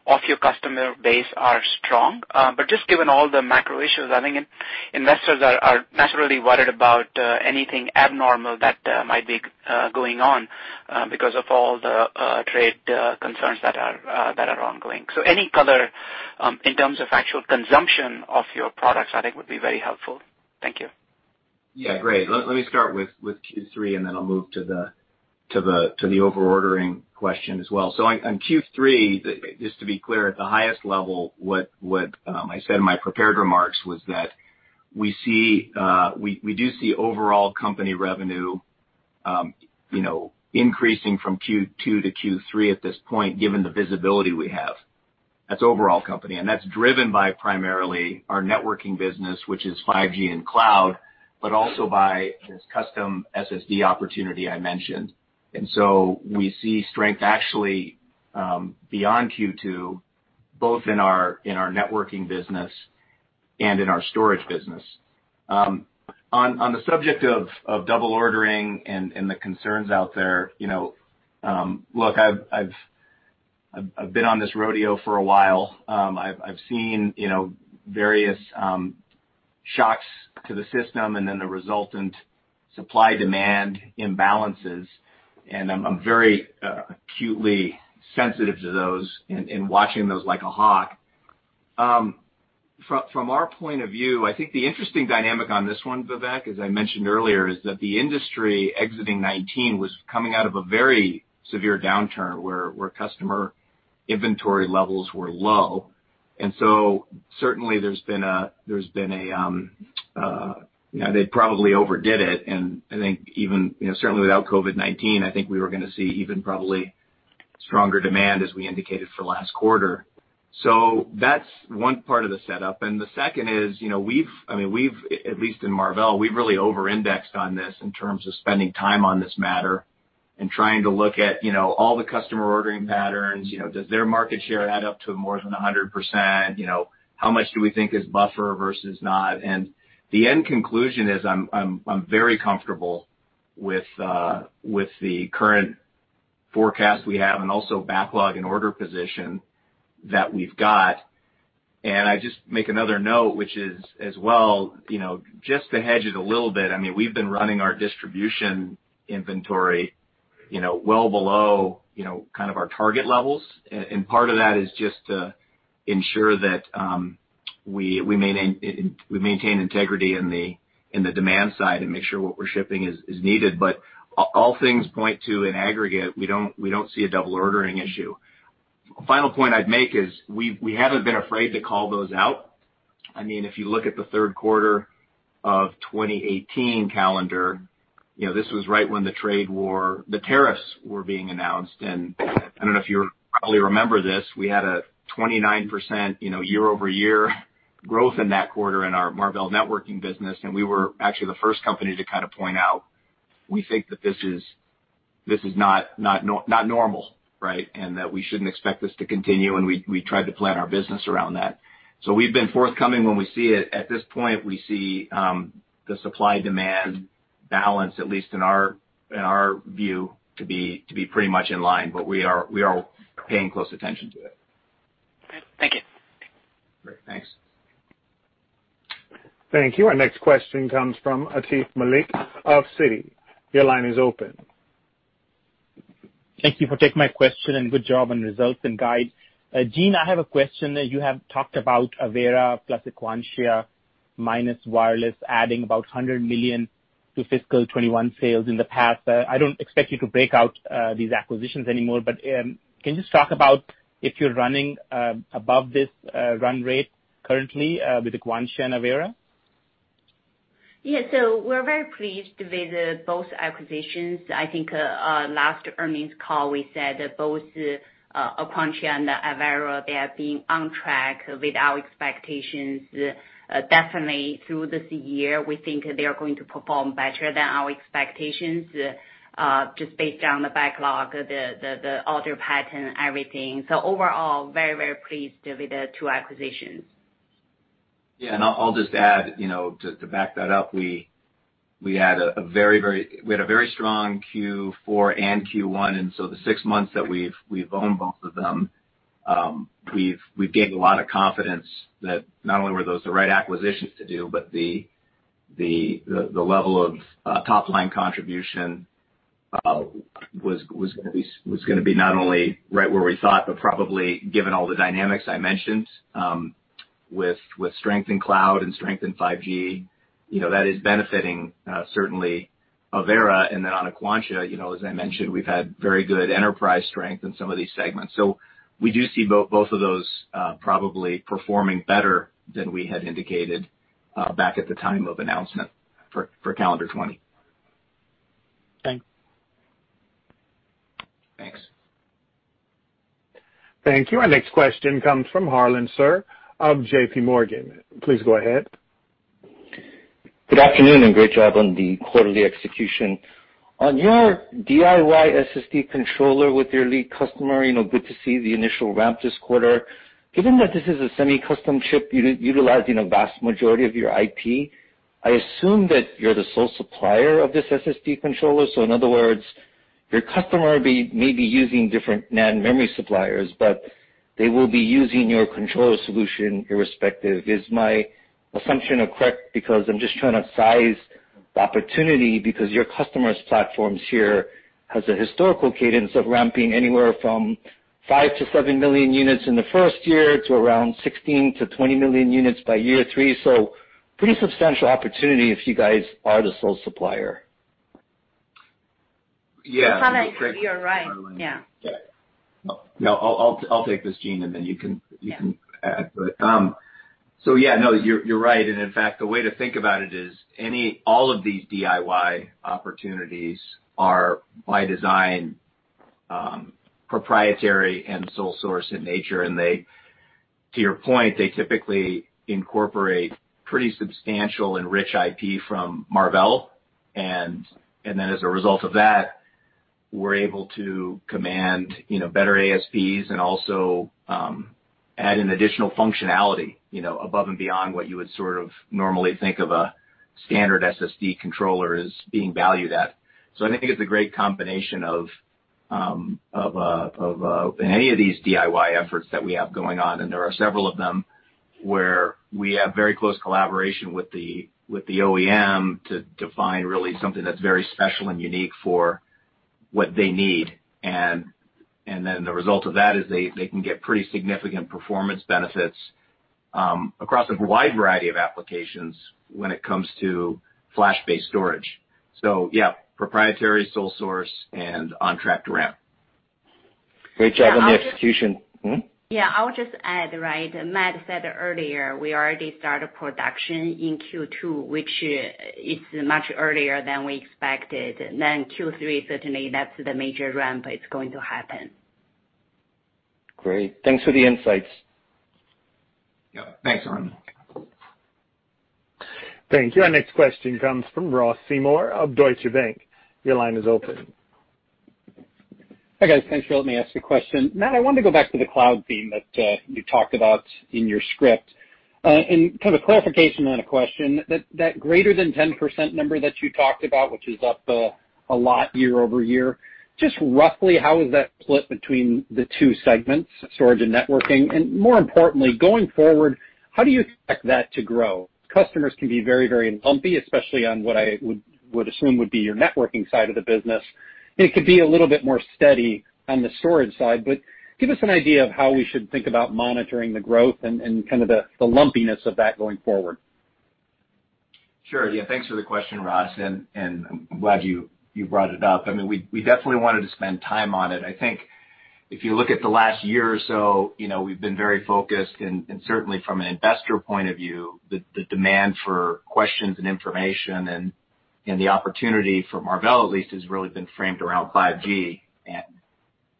of your customer base are strong. Just given all the macro issues, I think investors are naturally worried about anything abnormal that might be going on because of all the trade concerns that are ongoing. Any color in terms of actual consumption of your products, I think would be very helpful. Thank you. Yeah, great. Let me start with Q3. Then I'll move to the over-ordering question as well. On Q3, just to be clear, at the highest level, what I said in my prepared remarks was that we do see overall company revenue, you know, increasing from Q2 to Q3 at this point, given the visibility we have. That's overall company. That's driven by primarily our networking business, which is 5G and cloud, but also by this custom SSD opportunity I mentioned. We see strength actually, beyond Q2, both in our networking business and in our storage business. On the subject of double ordering and the concerns out there, you know, look, I've been on this rodeo for a while. I've seen, you know, various shocks to the system and then the resultant supply-demand imbalances, and I'm very acutely sensitive to those in watching those like a hawk. From our point of view, I think the interesting dynamic on this one, Vivek, as I mentioned earlier, is that the industry exiting 2019 was coming out of a very severe downturn where customer inventory levels were low. Certainly there's been a, you know, they probably overdid it, and I think even, you know, certainly without COVID-19, I think we were gonna see even probably stronger demand as we indicated for last quarter. That's one part of the setup. The second is, you know, I mean, we've, at least in Marvell, we've really over-indexed on this in terms of spending time on this matter and trying to look at, you know, all the customer ordering patterns. You know, does their market share add up to more than 100%? You know, how much do we think is buffer versus not? The end conclusion is I'm very comfortable with the current forecast we have and also backlog and order position that we've got. I just make another note, which is as well, you know, just to hedge it a little bit, I mean, we've been running our distribution inventory, you know, well below, you know, kind of our target levels. Part of that is just to ensure that we maintain integrity in the demand side and make sure what we're shipping is needed. All things point to in aggregate, we don't, we don't see a double ordering issue. Final point I'd make is we haven't been afraid to call those out. I mean, if you look at the third quarter of 2018 calendar, you know, this was right when the trade war, the tariffs were being announced, and I don't know if you probably remember this. We had a 29% you know, year-over-year growth in that quarter in our Marvell networking business, and we were actually the first company to kind of point out, we think that this is not normal, right? That we shouldn't expect this to continue, and we tried to plan our business around that. We've been forthcoming when we see it. At this point, we see the supply-demand balance, at least in our, in our view, to be pretty much in line, but we are paying close attention to it. Great. Thank you. Great. Thanks. Thank you. Our next question comes from Atif Malik of Citi. Your line is open. Thank you for taking my question, and good job on results and guide. Jean, I have a question that you have talked about Avera plus Aquantia minus wireless adding about $100 million to fiscal 2021 sales in the past. I don't expect you to break out these acquisitions anymore, but can you just talk about if you're running above this run rate currently with Aquantia and Avera? We're very pleased with the both acquisitions. I think, last earnings call we said both, Aquantia and Avera, they are being on track with our expectations. Definitely through this year, we think they are going to perform better than our expectations, just based on the backlog, the order pattern, everything. Overall, very pleased with the two acquisitions. Yeah. I'll just add, you know, to back that up, we had a very strong Q4 and Q1, the six months that we've owned both of them, we've gained a lot of confidence that not only were those the right acquisitions to do, but the level of top-line contribution was gonna be not only right where we thought, but probably given all the dynamics I mentioned, with strength in cloud and strength in 5G, you know, that is benefiting certainly Avera. On Aquantia, you know, as I mentioned, we've had very good enterprise strength in some of these segments. We do see both of those probably performing better than we had indicated back at the time of announcement for calendar 2020. Thanks. Thanks. Thank you. Our next question comes from Harlan Sur of J.P. Morgan. Please go ahead. Good afternoon, and great job on the quarterly execution. On your DIY SSD controller with your lead customer, you know, good to see the initial ramp this quarter. Given that this is a semi-custom chip utilizing a vast majority of your IP, I assume that you're the sole supplier of this SSD controller. In other words, your customer may be using different NAND memory suppliers, but they will be using your controller solution irrespective. Is my assumption correct? I'm just trying to size the opportunity because your customers' platforms here has a historical cadence of ramping anywhere from 5 million-7 million units in the first year to around 16 million-20 million units by year 3. Pretty substantial opportunity if you guys are the sole supplier. Yeah. Harlan, I think you're right. Yeah. Yeah. No, I'll take this, Jean, and then you can. Yeah You can add to it. No, you're right. In fact, the way to think about it is all of these DIY opportunities are by design, proprietary and sole source in nature, and they, to your point, they typically incorporate pretty substantial and rich IP from Marvell. As a result of that, we're able to command, you know, better ASPs and also add in additional functionality, you know, above and beyond what you would sort of normally think of a standard SSD controller as being valued at. I think it's a great combination of in any of these DIY efforts that we have going on, and there are several of them, where we have very close collaboration with the OEM to define really something that's very special and unique for what they need. The result of that is they can get pretty significant performance benefits across a wide variety of applications when it comes to flash-based storage. Yeah, proprietary, sole source, and on track to ramp. Great job on the execution. I'll just. Yeah, I would just add, right, Matt said earlier, we already started production in Q2, which is much earlier than we expected. Q3, certainly that's the major ramp that's going to happen. Great. Thanks for the insights. Yeah. Thanks Harlan. Thank you. Our next question comes from Ross Seymore of Deutsche Bank. Your line is open. Hi, guys. Thanks for letting me ask a question. Matt, I wanted to go back to the cloud theme that you talked about in your script. Kind of a clarification on a question, that greater than 10% number that you talked about, which is up a lot year-over-year, just roughly how is that split between the two segments, storage and networking? More importantly, going forward, how do you expect that to grow? Customers can be very, very lumpy, especially on what I would assume would be your networking side of the business. It could be a little bit more steady on the storage side, but give us an idea of how we should think about monitoring the growth and kind of the lumpiness of that going forward. Sure. Yeah. Thanks for the question, Ross, and I'm glad you brought it up. I mean, we definitely wanted to spend time on it. I think if you look at the last year or so, you know, we've been very focused, and certainly from an investor point of view, the demand for questions and information and the opportunity for Marvell at least has really been framed around 5G.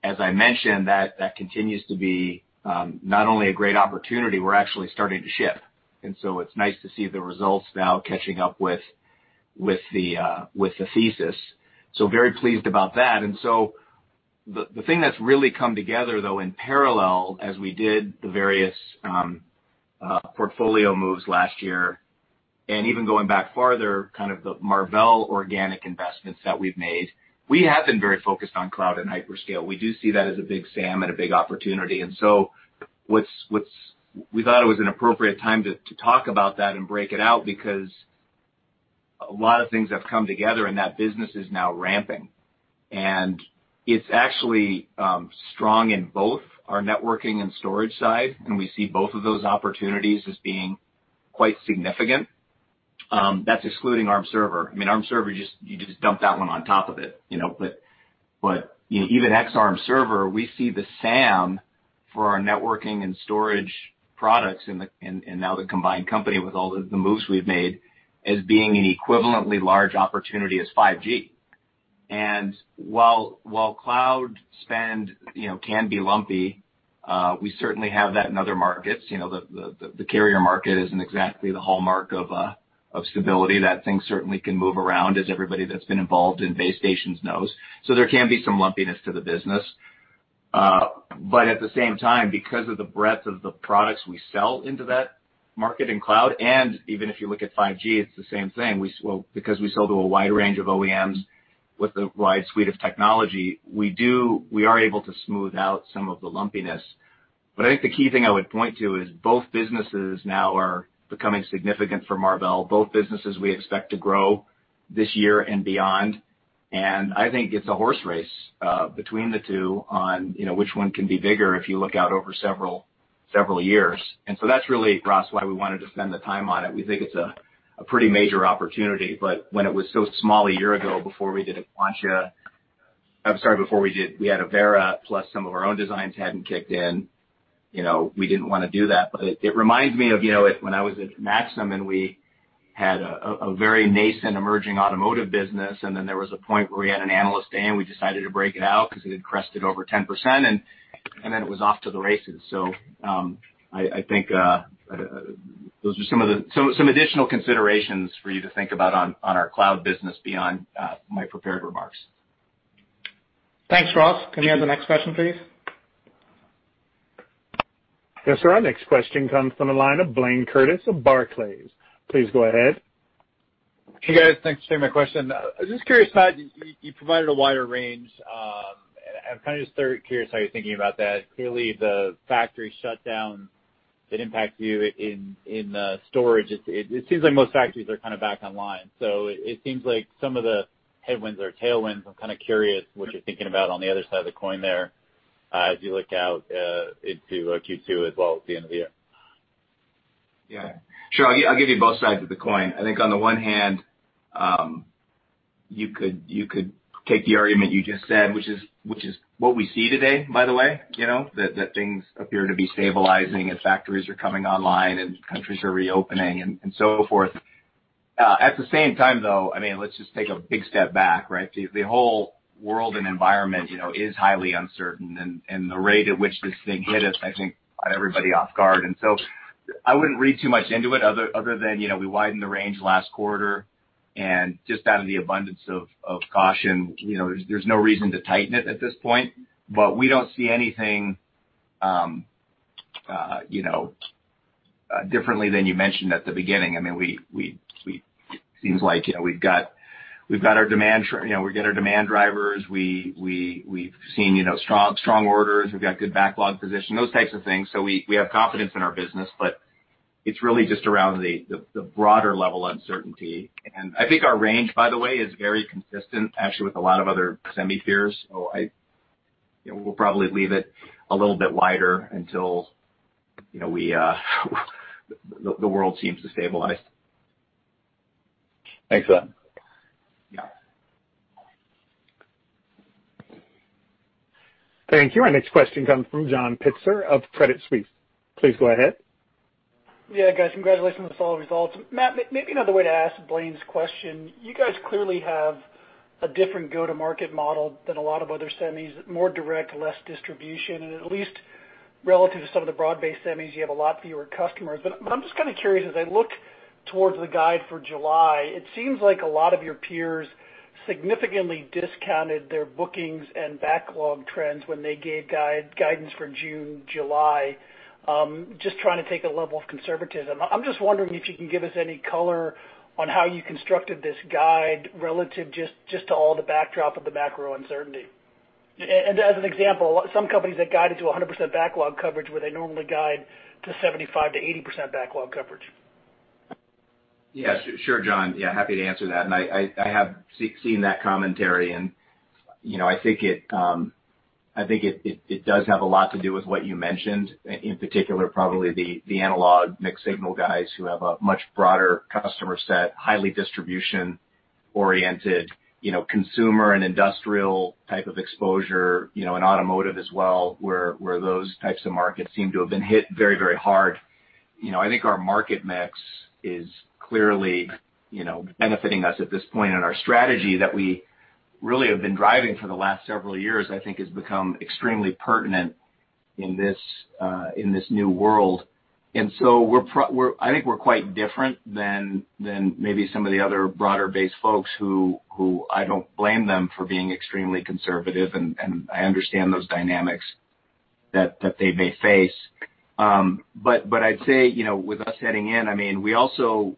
As I mentioned, that continues to be not only a great opportunity, we're actually starting to ship. It's nice to see the results now catching up with the thesis. Very pleased about that. The thing that's really come together though in parallel as we did the various portfolio moves last year, and even going back farther, kind of the Marvell organic investments that we've made, we have been very focused on cloud and hyperscale. We do see that as a big SAM and a big opportunity. We thought it was an appropriate time to talk about that and break it out because a lot of things have come together, and that business is now ramping. It's actually strong in both our networking and storage side, and we see both of those opportunities as being quite significant. That's excluding Arm server. I mean, Arm server, you just dump that one on top of it, you know? Even ex Arm server, we see the SAM for our networking and storage products in now the combined company with all the moves we've made, as being an equivalently large opportunity as 5G. While cloud spend can be lumpy, we certainly have that in other markets. The carrier market isn't exactly the hallmark of stability. That thing certainly can move around, as everybody that's been involved in base stations knows. There can be some lumpiness to the business. At the same time, because of the breadth of the products we sell into that market and cloud, and even if you look at 5G, it's the same thing. Well, because we sell to a wide range of OEMs with a wide suite of technology, we are able to smooth out some of the lumpiness. I think the key thing I would point to is both businesses now are becoming significant for Marvell. Both businesses we expect to grow this year and beyond. I think it's a horse race between the two on, you know, which one can be bigger if you look out over several years. That's really, Ross, why we wanted to spend the time on it. We think it's a pretty major opportunity, but when it was so small a year ago before we did Aquantia, I'm sorry, we had Avera plus some of our own designs hadn't kicked in, you know, we didn't wanna do that. It reminds me of, you know, when I was at Maxim, and we had a very nascent emerging automotive business. Then there was a point where we had an analyst day, and we decided to break it out 'cause it had crested over 10%, and then it was off to the races. I think those are some of the additional considerations for you to think about on our cloud business beyond my prepared remarks. Thanks, Ross. Can we have the next question, please? Yes, sir. Our next question comes from the line of Blayne Curtis of Barclays. Please go ahead. Hey, guys. Thanks for taking my question. I was just curious how you provided a wider range, and I'm kind of just curious how you're thinking about that. Clearly, the factory shutdown did impact you in storage. It seems like most factories are kind of back online, so it seems like some of the headwinds or tailwinds, I'm kind of curious what you're thinking about on the other side of the coin there, as you look out into Q2 as well as the end of the year. Yeah, sure. I'll give you both sides of the coin. I think on the one hand, you could take the argument you just said, which is what we see today, by the way, you know? That things appear to be stabilizing and factories are coming online, and countries are reopening and so forth. At the same time, though, I mean, let's just take a big step back, right? The whole world and environment, you know, is highly uncertain. The rate at which this thing hit us, I think, caught everybody off guard. So I wouldn't read too much into it other than, you know, we widened the range last quarter and just out of the abundance of caution. You know, there's no reason to tighten it at this point. We don't see anything, you know, differently than you mentioned at the beginning. I mean, we seems like, you know, we've got our demand drivers. We've seen, you know, strong orders. We've got good backlog position, those types of things. We have confidence in our business, but it's really just around the broader level uncertainty. I think our range, by the way, is very consistent actually with a lot of other semi peers. I, you know, we'll probably leave it a little bit wider until, you know, we the world seems to stabilize. Thanks for that. Yeah. Thank you. Our next question comes from John Pitzer of Credit Suisse. Please go ahead. Yeah, guys. Congratulations on the solid results. Matt, maybe another way to ask Blayne's question. You guys clearly have a different go-to-market model than a lot of other semis, more direct, less distribution, and at least relative to some of the broad-based semis, you have a lot fewer customers. I'm just kind of curious, as I look towards the guide for July, it seems like a lot of your peers significantly discounted their bookings and backlog trends when they gave guidance for June, July, just trying to take a level of conservatism. I'm just wondering if you can give us any color on how you constructed this guide relative to all the backdrop of the macro uncertainty. As an example, some companies that guided to 100% backlog coverage where they normally guide to 75%-80% backlog coverage. Yeah. Sure, John. Yeah, happy to answer that. I, I have seen that commentary and, you know, I think it, I think it, it does have a lot to do with what you mentioned. In particular, probably the analog mixed signal guys who have a much broader customer set, highly distribution-oriented, you know, consumer and industrial type of exposure, you know, and automotive as well, where those types of markets seem to have been hit very, very hard. You know, I think our market mix is clearly, you know, benefiting us at this point in our strategy that we really have been driving for the last several years, I think has become extremely pertinent in this, in this new world. I think we're quite different than maybe some of the other broader-based folks who I don't blame them for being extremely conservative, and I understand those dynamics that they may face. But I'd say, you know, with us heading in, I mean, we also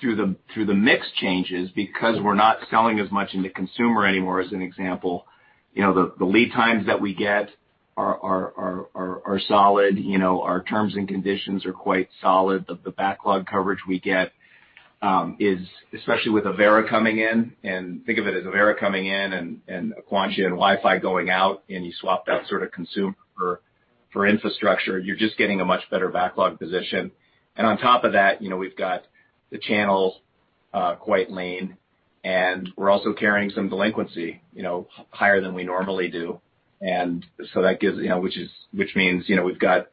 through the mix changes because we're not selling as much into consumer anymore as an example. You know, the lead times that we get are solid. You know, our terms and conditions are quite solid. The backlog coverage we get is especially with Avera coming in and think of it as Avera coming in and Aquantia and Wi-Fi going out, and you swap that sort of consumer for infrastructure, you're just getting a much better backlog position. On top of that, you know, we've got the channel, quite lean, and we're also carrying some delinquency, you know, higher than we normally do. That gives, you know, which means, you know, we've got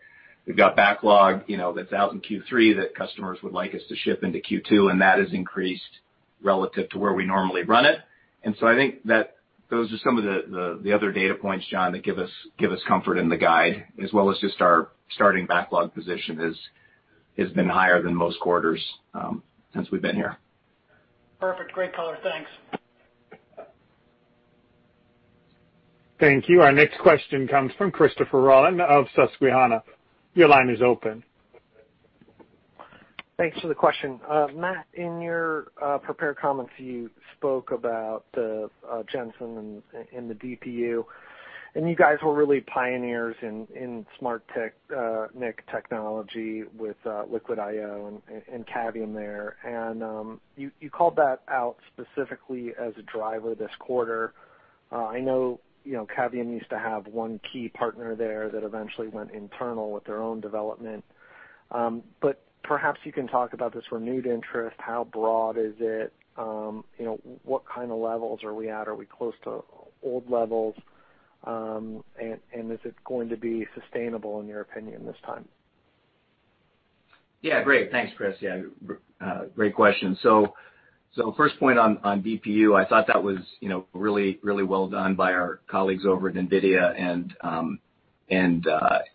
backlog, you know, that's out in Q3 that customers would like us to ship into Q2, and that has increased relative to where we normally run it. I think that those are some of the other data points, John, that give us, give us comfort in the guide as well as just our starting backlog position has been higher than most quarters since we've been here. Perfect. Great color. Thanks. Thank you. Our next question comes from Christopher Rolland of Susquehanna. Your line is open. Thanks for the question. Matt, in your prepared comments, you spoke about the Jensen and the DPU, and you guys were really pioneers in SmartNIC technology with LiquidIO and Cavium there. You called that out specifically as a driver this quarter. I know, you know, Cavium used to have one key partner there that eventually went internal with their own development. Perhaps you can talk about this renewed interest, how broad is it? You know, what kind of levels are we at? Are we close to old levels? Is it going to be sustainable, in your opinion this time? Great. Thanks Chris. Great question. First point on DPU, I thought that was, you know, really well done by our colleagues over at NVIDIA and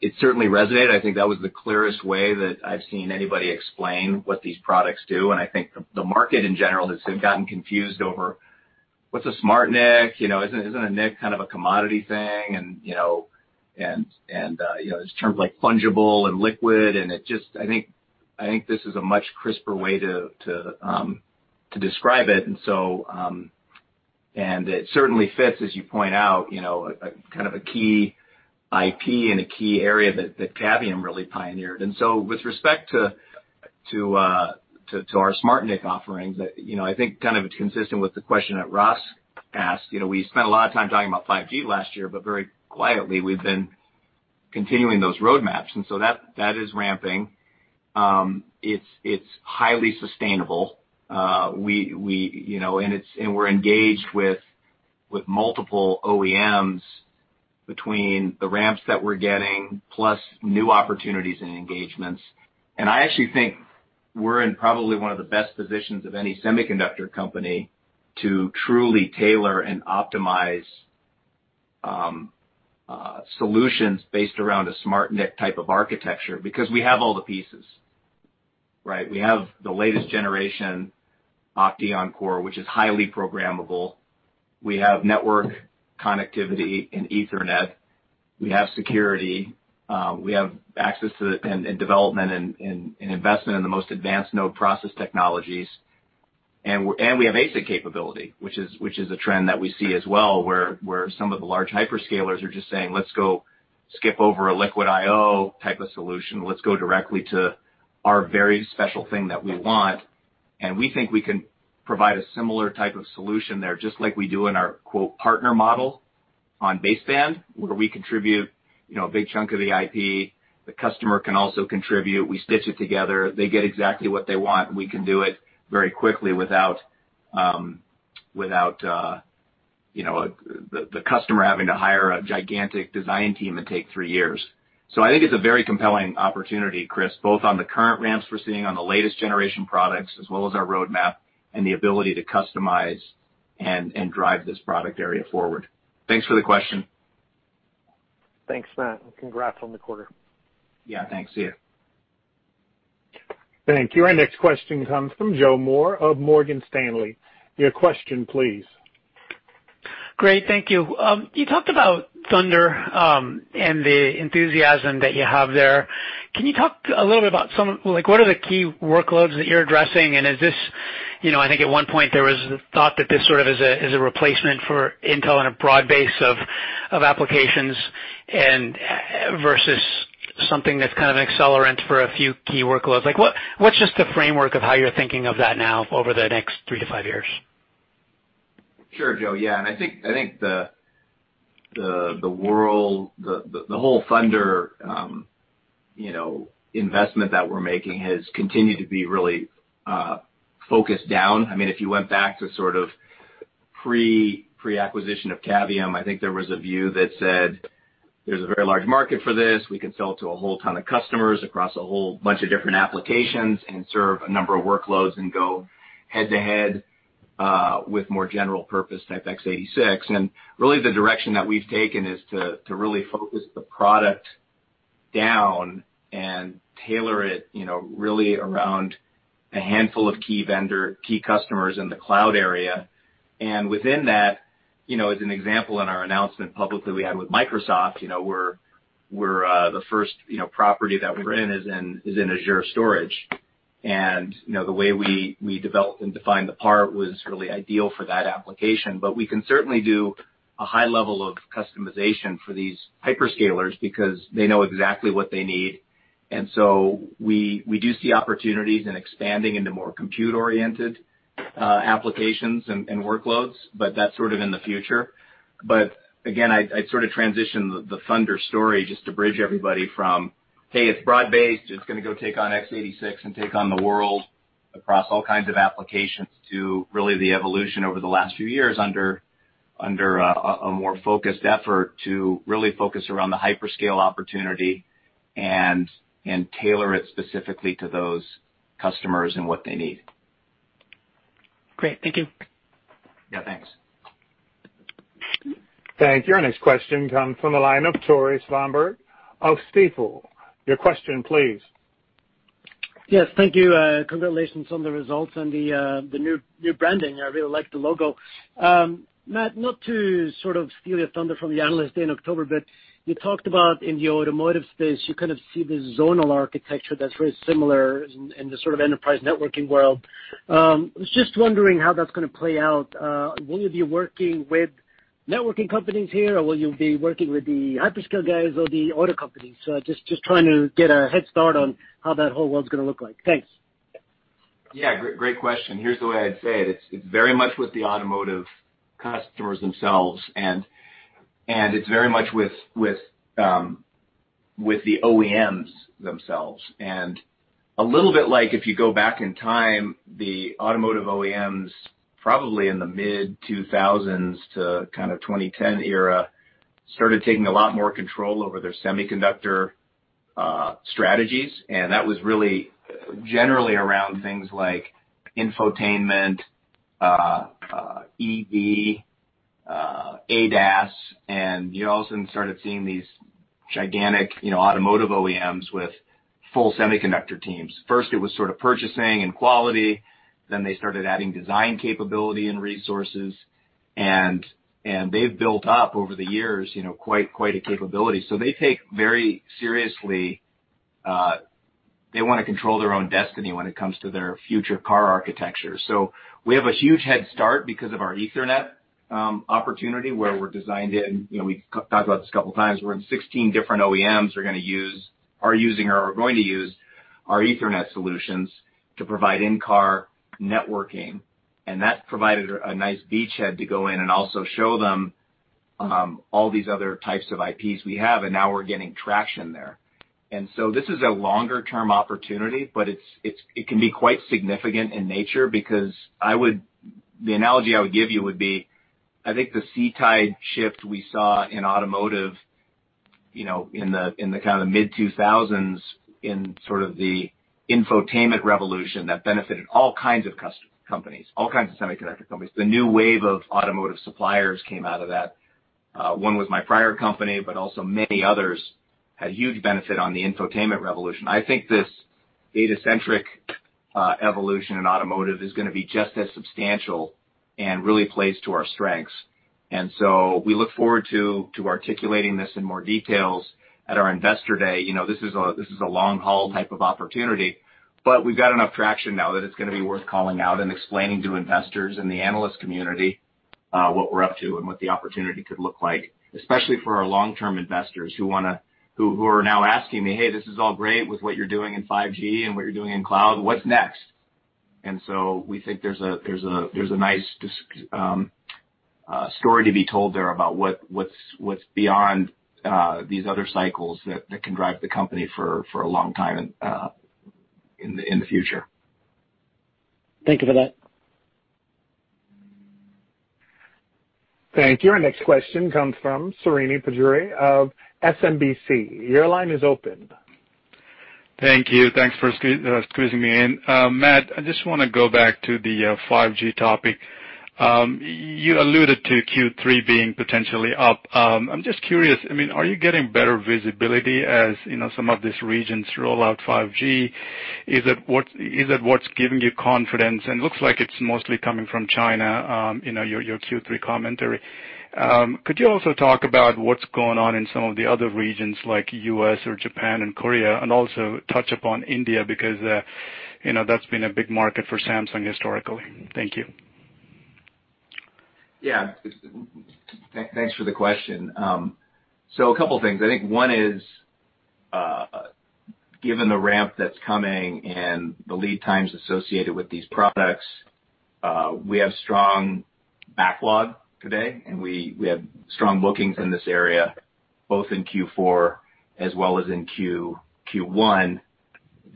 it certainly resonated. I think that was the clearest way that I've seen anybody explain what these products do, and I think the market in general has gotten confused over what's a SmartNIC. You know, isn't a NIC kind of a commodity thing? You know, there's terms like fungible and liquid, this is a much crisper way to describe it. It certainly fits, as you point out, you know, a kind of a key IP and a key area that Cavium really pioneered. With respect to our SmartNIC offerings, you know, I think kind of consistent with the question that Ross asked, you know, we spent a lot of time talking about 5G last year, but very quietly we've been continuing those roadmaps that is ramping. It's highly sustainable. We, you know, and we're engaged with multiple OEMs between the ramps that we're getting, plus new opportunities and engagements. I actually think we're in probably one of the best positions of any semiconductor company to truly tailor and optimize solutions based around a SmartNIC type of architecture because we have all the pieces, right? We have the latest generation OCTEON core, which is highly programmable. We have network connectivity and Ethernet, we have security, we have access to development and investment in the most advanced node process technologies. We have ASIC capability, which is a trend that we see as well, where some of the large hyperscalers are just saying, "Let's go skip over a LiquidIO type of solution. Let's go directly to our very special thing that we want." We think we can provide a similar type of solution there, just like we do in our, quote, partner model on baseband, where we contribute, you know, a big chunk of the IP. The customer can also contribute. We stitch it together. They get exactly what they want, and we can do it very quickly without, you know, the customer having to hire a gigantic design team and take three years. I think it's a very compelling opportunity, Chris, both on the current ramps we're seeing on the latest generation products as well as our roadmap and the ability to customize and drive this product area forward. Thanks for the question. Thanks Matt and congrats on the quarter. Yeah, thanks to you. Thank you. Our next question comes from Joe Moore of Morgan Stanley. Your question please. Great, thank you. You talked about ThunderX and the enthusiasm that you have there. Can you talk a little bit about what are the key workloads that you're addressing, and is this, you know, I think at one point there was thought that this sort of is a, is a replacement for Intel in a broad base of applications and versus something that's kind of an accelerant for a few key workloads. Like what's just the framework of how you're thinking of that now over the next three to five years? Sure, Joe. I think the world, the whole ThunderX, you know, investment that we're making has continued to be really focused down. I mean, if you went back to sort of pre-acquisition of Cavium, I think there was a view that said, there's a very large market for this. We can sell to a whole ton of customers across a whole bunch of different applications and serve a number of workloads and go head-to-head with more general purpose type x86. Really the direction that we've taken is to really focus the product down and tailor it, you know, really around a handful of key vendor, key customers in the cloud area. Within that, you know, as an example, in our announcement publicly we had with Microsoft, you know, we're the first, you know, property that we're in is in Azure storage. The way we developed and defined the part was really ideal for that application. We can certainly do a high level of customization for these hyperscalers because they know exactly what they need. We do see opportunities in expanding into more compute-oriented applications and workloads, but that's sort of in the future. Again, I sort of transition the ThunderX story just to bridge everybody from, "Hey, it's broad-based, it's gonna go take on x86 and take on the world across all kinds of applications," to really the evolution over the last few years under a more focused effort to really focus around the hyperscale opportunity and tailor it specifically to those customers and what they need. Great. Thank you. Yeah, thanks. Thank you. Our next question comes from the line of Tore Svanberg of Stifel. Your question please. Yes, thank you. Congratulations on the results and the new branding. I really like the logo. Matt, not to sort of steal your ThunderX from the analyst day in October, but you talked about in the automotive space, you kind of see this zonal architecture that's very similar in the sort of enterprise networking world. Was just wondering how that's gonna play out. Will you be working with networking companies here or will you be working with the hyperscale guys or the auto companies? Just trying to get a head start on how that whole world's gonna look like. Thanks. Yeah, great question. Here's the way I'd say it. It's very much with the automotive customers themselves and it's very much with the OEMs themselves. A little bit like if you go back in time, the automotive OEMs probably in the mid-2000s to kind of 2010 era started taking a lot more control over their semiconductor strategies, and that was really generally around things like infotainment, EV, ADAS, and you also then started seeing these gigantic, you know, automotive OEMs with full semiconductor teams. First it was sort of purchasing and quality, then they started adding design capability and resources and they've built up over the years, you know, quite a capability. They take very seriously. They wanna control their own destiny when it comes to their future car architecture. We have a huge head start because of our Ethernet opportunity where we're designed in, you know, we talked about this a couple times. We're in 16 different OEMs are gonna use, are using or are going to use our Ethernet solutions to provide in-car networking, and that provided a nice beachhead to go in and also show them all these other types of IPs we have, and now we're getting traction there. This is a longer term opportunity, but it's, it can be quite significant in nature because the analogy I would give you would be, I think the sea tide shift we saw in automotive, you know, in the, in the kind of mid-2000s in sort of the infotainment revolution that benefited all kinds of companies, all kinds of semiconductor companies. The new wave of automotive suppliers came out of that. One was my prior company, but also many others had huge benefit on the infotainment revolution. I think this data-centric evolution in automotive is gonna be just as substantial and really plays to our strengths. We look forward to articulating this in more details at our investor day. You know, this is a long haul type of opportunity, but we've got enough traction now that it's gonna be worth calling out and explaining to investors in the analyst community, what we're up to and what the opportunity could look like, especially for our long-term investors who wanna, who are now asking me, "Hey, this is all great with what you're doing in 5G and what you're doing in cloud. What's next? We think there's a nice story to be told there about what's beyond these other cycles that can drive the company for a long time and in the future. Thank you for that. Thank you. Our next question comes from Srini Pajjuri of SMBC. Your line is open. Thank you. Thanks for squeezing me in. Matt, I just wanna go back to the 5G topic. You alluded to Q3 being potentially up. I'm just curious, I mean, are you getting better visibility as, you know, some of these regions roll out 5G? Is it what's giving you confidence? Looks like it's mostly coming from China, in your Q3 commentary. Could you also talk about what's going on in some of the other regions like U.S. or Japan and Korea, and also touch upon India because, you know, that's been a big market for Samsung historically. Thank you. Thanks for the question. A couple things. I think one is, given the ramp that's coming and the lead times associated with these products, we have strong backlog today, and we have strong bookings in this area both in Q4 as well as in Q1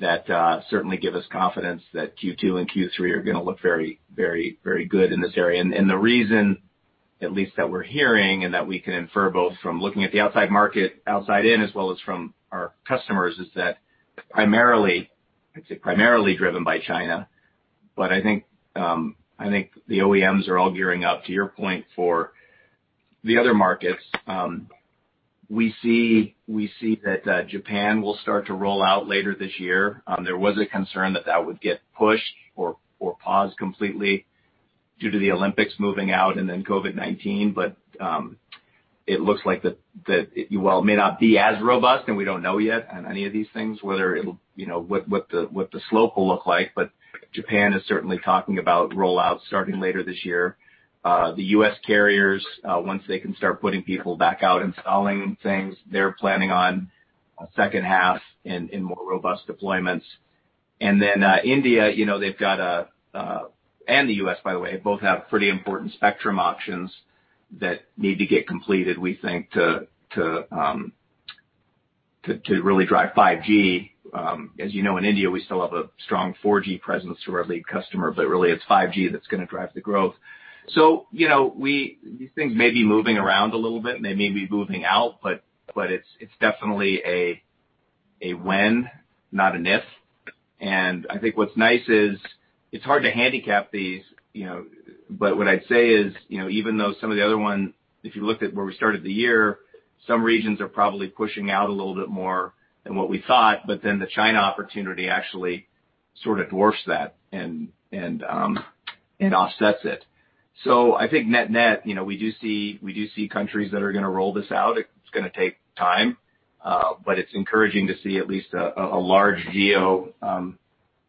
that certainly give us confidence that Q2 and Q3 are going to look very good in this area. The reason at least that we're hearing and that we can infer both from looking at the outside market outside in as well as from our customers is that primarily, I'd say primarily driven by China. I think the OEMs are all gearing up to your point for the other markets. We see that Japan will start to roll out later this year. There was a concern that that would get pushed or paused completely due to the Olympics moving out and then COVID-19. Well, it may not be as robust, we don't know yet on any of these things whether it'll, you know, what the slope will look like. Japan is certainly talking about rollouts starting later this year. The U.S. carriers, once they can start putting people back out installing things, they're planning on second half in more robust deployments. India, you know, they've got a, and the U.S. by the way, both have pretty important spectrum auctions that need to get completed, we think, to really drive 5G. As you know, in India we still have a strong 4G presence through our lead customer, but really it's 5G that's gonna drive the growth. You know, these things may be moving around a little bit, they may be moving out, but it's definitely a when, not an if. I think what's nice is it's hard to handicap these, you know, but what I'd say is, you know, even though some of the other one, if you looked at where we started the year, some regions are probably pushing out a little bit more than what we thought, the China opportunity actually sort of dwarfs that and offsets it. I think net-net, you know, we do see countries that are gonna roll this out. It's gonna take time, but it's encouraging to see at least a large geo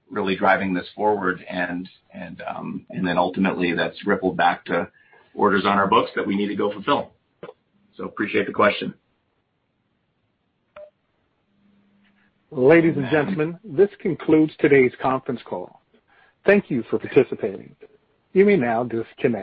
really driving this forward and then ultimately that's rippled back to orders on our books that we need to go fulfill. Appreciate the question. Ladies and gentlemen, this concludes today's conference call. Thank you for participating. You may now disconnect.